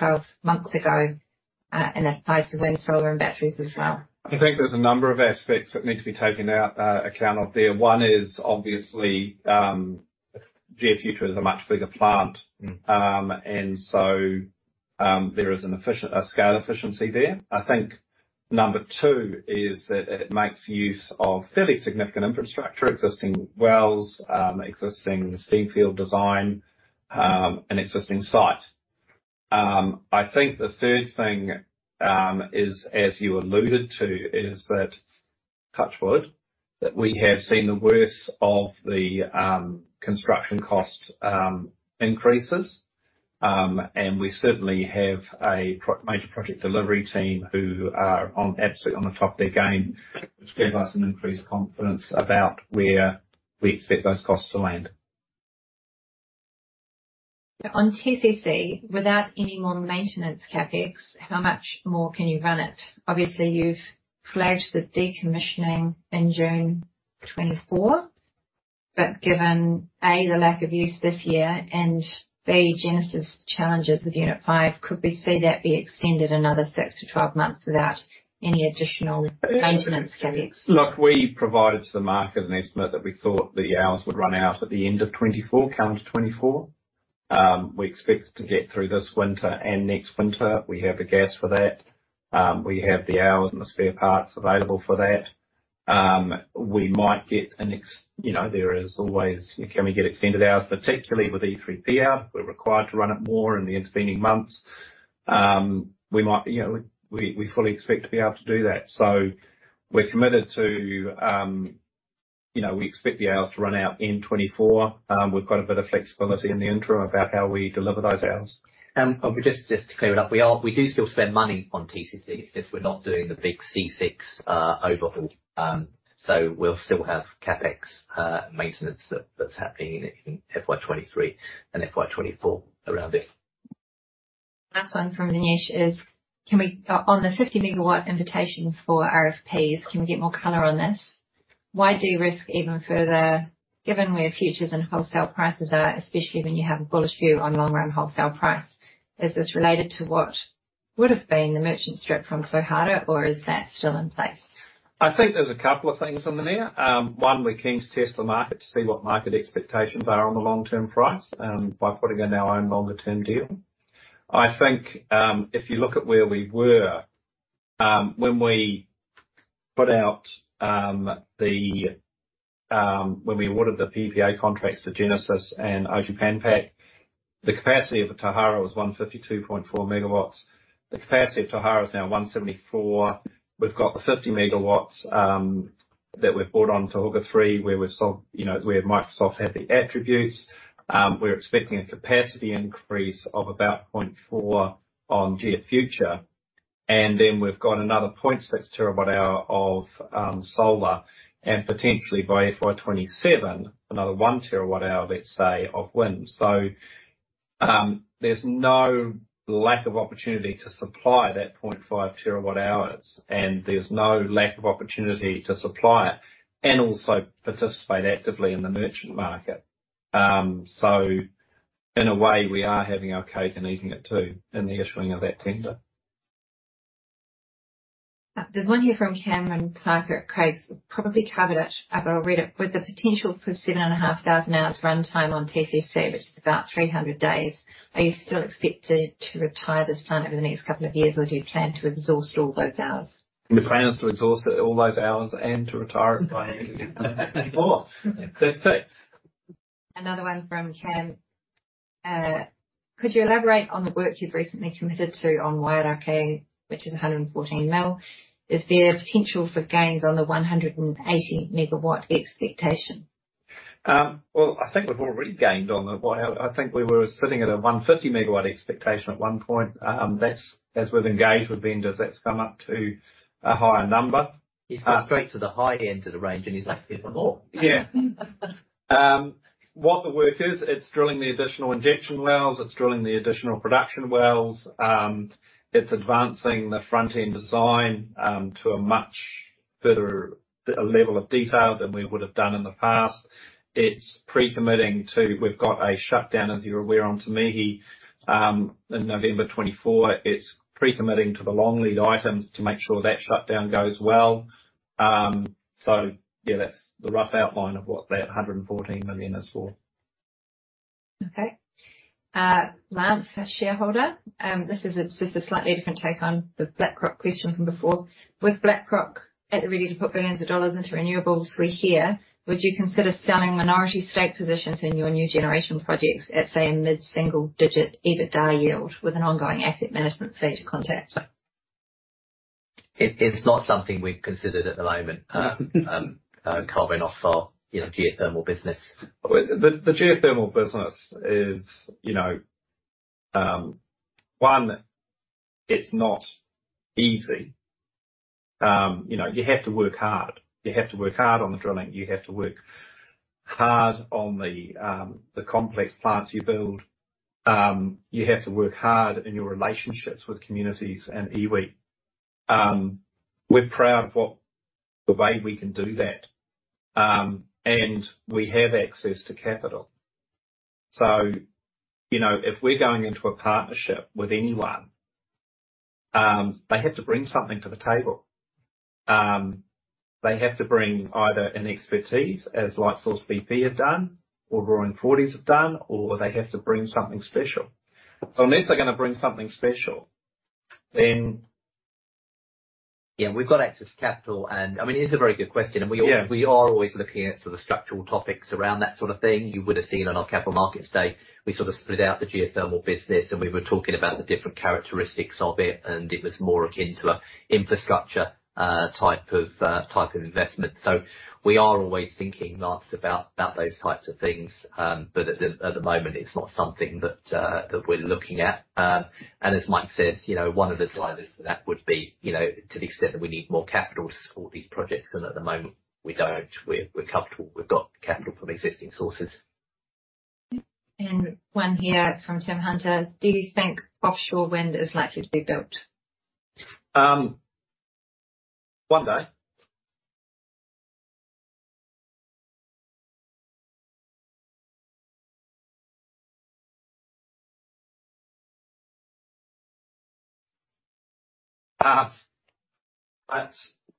6-12 months ago, and applies to wind, solar, and batteries as well? I think there's a number of aspects that need to be taken out, account of there. One is obviously, Geofuture is a much bigger plant. Mm. There is a scale efficiency there. I think number two is that it makes use of fairly significant infrastructure, existing wells, existing steam field design, and existing site. I think the third thing is, as you alluded to, is that, touch wood, that we have seen the worst of the construction cost increases. We certainly have a major project delivery team who are on, absolutely on the top of their game, which gave us an increased confidence about where we expect those costs to land. On TCC, without any more maintenance CapEx, how much more can you run it? Obviously, you've flagged the decommissioning in June 2024, but given, A, the lack of use this year, and B, Genesis challenges with Unit 5, could we see that be extended another six-12 months without any additional maintenance CapEx? Look, we provided to the market an estimate that we thought the hours would run out at the end of 2024, coming to 2024. We expect to get through this winter and next winter. We have the gas for that. We have the hours and the spare parts available for that. We might get, there is always, can we get extended hours, particularly with e3p hour, we're required to run it more in the intervening months. We might, we, we fully expect to be able to do that. We're committed to. We expect the hours to run out in 2024. We've got a bit of flexibility in the interim about how we deliver those hours. Just, just to clear it up, we do still spend money on TCC, it's just we're not doing the big C6 overhaul. So we'll still have CapEx maintenance that, that's happening in FY 2023 and FY 2024 around it. Last one from Vignesh is: can we on the 50 MW invitation for RFPs, can we get more color on this? Why de-risk even further, given where futures and wholesale prices are, especially when you have a bullish view on long-run wholesale price, is this related to what would have been the merchant strip from Tauhara, or is that still in place? I think there's a couple of things in there. One, we're keen to test the market to see what market expectations are on the long-term price, by putting in our own longer-term deal. I think, if you look at where we were, when we awarded the PPA contracts to Genesis Energy and Oji Fibre Solutions, the capacity of Tauhara was 152.4 MW. The capacity of Tauhara is now 174. We've got the 50 MW that we've brought on Te Huka 3, where we've sold, you know, where Microsoft had the attributes. We're expecting a capacity increase of about 0.4 on Geofutures, and then we've got another 0.6 TWh of solar, and potentially by FY 2027, another 1 TWh, let's say, of wind. There's no lack of opportunity to supply that 0.5 terawatt hours, and there's no lack of opportunity to supply it and also participate actively in the merchant market. In a way, we are having our cake and eating it, too, in the issuing of that tender. There's one here from Cameron Parker at Craigs. Probably covered it, but I'll read it. With the potential for 7,500 hours runtime on TCC, which is about 300 days, are you still expected to retire this plant over the next couple of years, or do you plan to exhaust all those hours? The plan is to exhaust it, all those hours, and to retire it by more. That's it. Another one from Cam. Could you elaborate on the work you've recently committed to on Wairakei, which is 114 million? Is there potential for gains on the 180 MW expectation? Well, I think we've already gained on that one. I think we were sitting at a 150 megawatt expectation at one point. That's, as we've engaged with vendors, that's come up to a higher number. He's gone straight to the high end of the range, and he's asking for more. Yeah. what the work is, it's drilling the additional injection wells, it's drilling the additional production wells. it's advancing the front-end design, to a much further, level of detail than we would have done in the past. It's pre-committing to... We've got a shutdown, as you're aware, on Te Mihi, in November 2024. It's pre-committing to the long lead items to make sure that shutdown goes well. Yeah, that's the rough outline of what that 114 million is for. Okay. Lance, a shareholder, this is a, just a slightly different take on the BlackRock question from before. With BlackRock at the ready to put billions dollars into renewables we hear, would you consider selling minority stake positions in your new generation projects at, say, a mid-single digit EBITDA yield with an ongoing asset management fee to Contact? It, it's not something we've considered at the moment, carbon off our, you know, geothermal business. The, the geothermal business is, you know, one, it's not easy. You know, you have to work hard. You have to work hard on the drilling. You have to work hard on the, the complex plants you build. You have to work hard on your relationships with communities and iwi. We're proud of what, the way we can do that, and we have access to capital. You know, if we're going into a partnership with anyone, they have to bring something to the table. They have to bring either an expertise as Lightsource bp have done, or Roaring Forties have done, or they have to bring something special. Unless they're gonna bring something special, then. Yeah, we've got access to capital, and I mean, it's a very good question. Yeah. We, we are always looking at sort of structural topics around that sort of thing. You would have seen on our capital markets day, we sort of split out the geothermal business, and we were talking about the different characteristics of it, and it was more akin to a infrastructure type of type of investment. We are always thinking, Lance, about, about those types of things. At the moment, it's not something that we're looking at. As Mike says, you know, one of the drivers for that would be, you know, to the extent that we need more capital to support these projects, and at the moment, we don't. We're, we're comfortable. We've got capital from existing sources. One here from Tim Hunter: Do you think offshore wind is likely to be built? One day.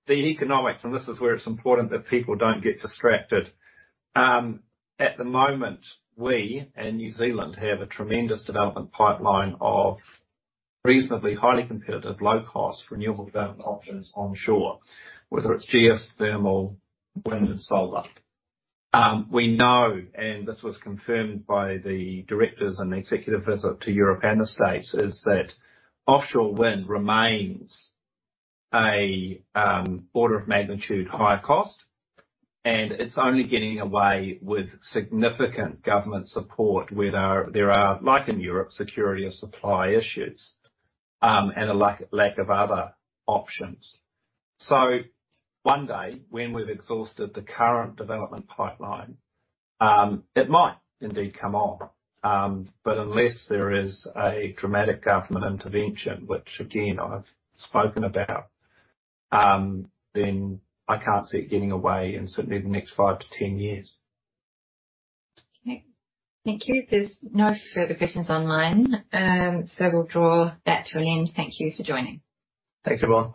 The economics, and this is where it's important that people don't get distracted. At the moment, we, in New Zealand, have a tremendous development pipeline of reasonably highly competitive, low-cost renewable development options onshore, whether it's geothermal, wind, and solar. We know, and this was confirmed by the directors on the executive visit to Europe and the States, is that offshore wind remains a order of magnitude higher cost, and it's only getting away with significant government support where there are, there are, like in Europe, security of supply issues, and a lack, lack of other options. One day, when we've exhausted the current development pipeline, it might indeed come on. Unless there is a dramatic government intervention, which again, I've spoken about, then I can't see it getting away in certainly the next five-10 years. Okay. Thank you. There's no further questions online. We'll draw that to an end. Thank you for joining. Thanks, everyone.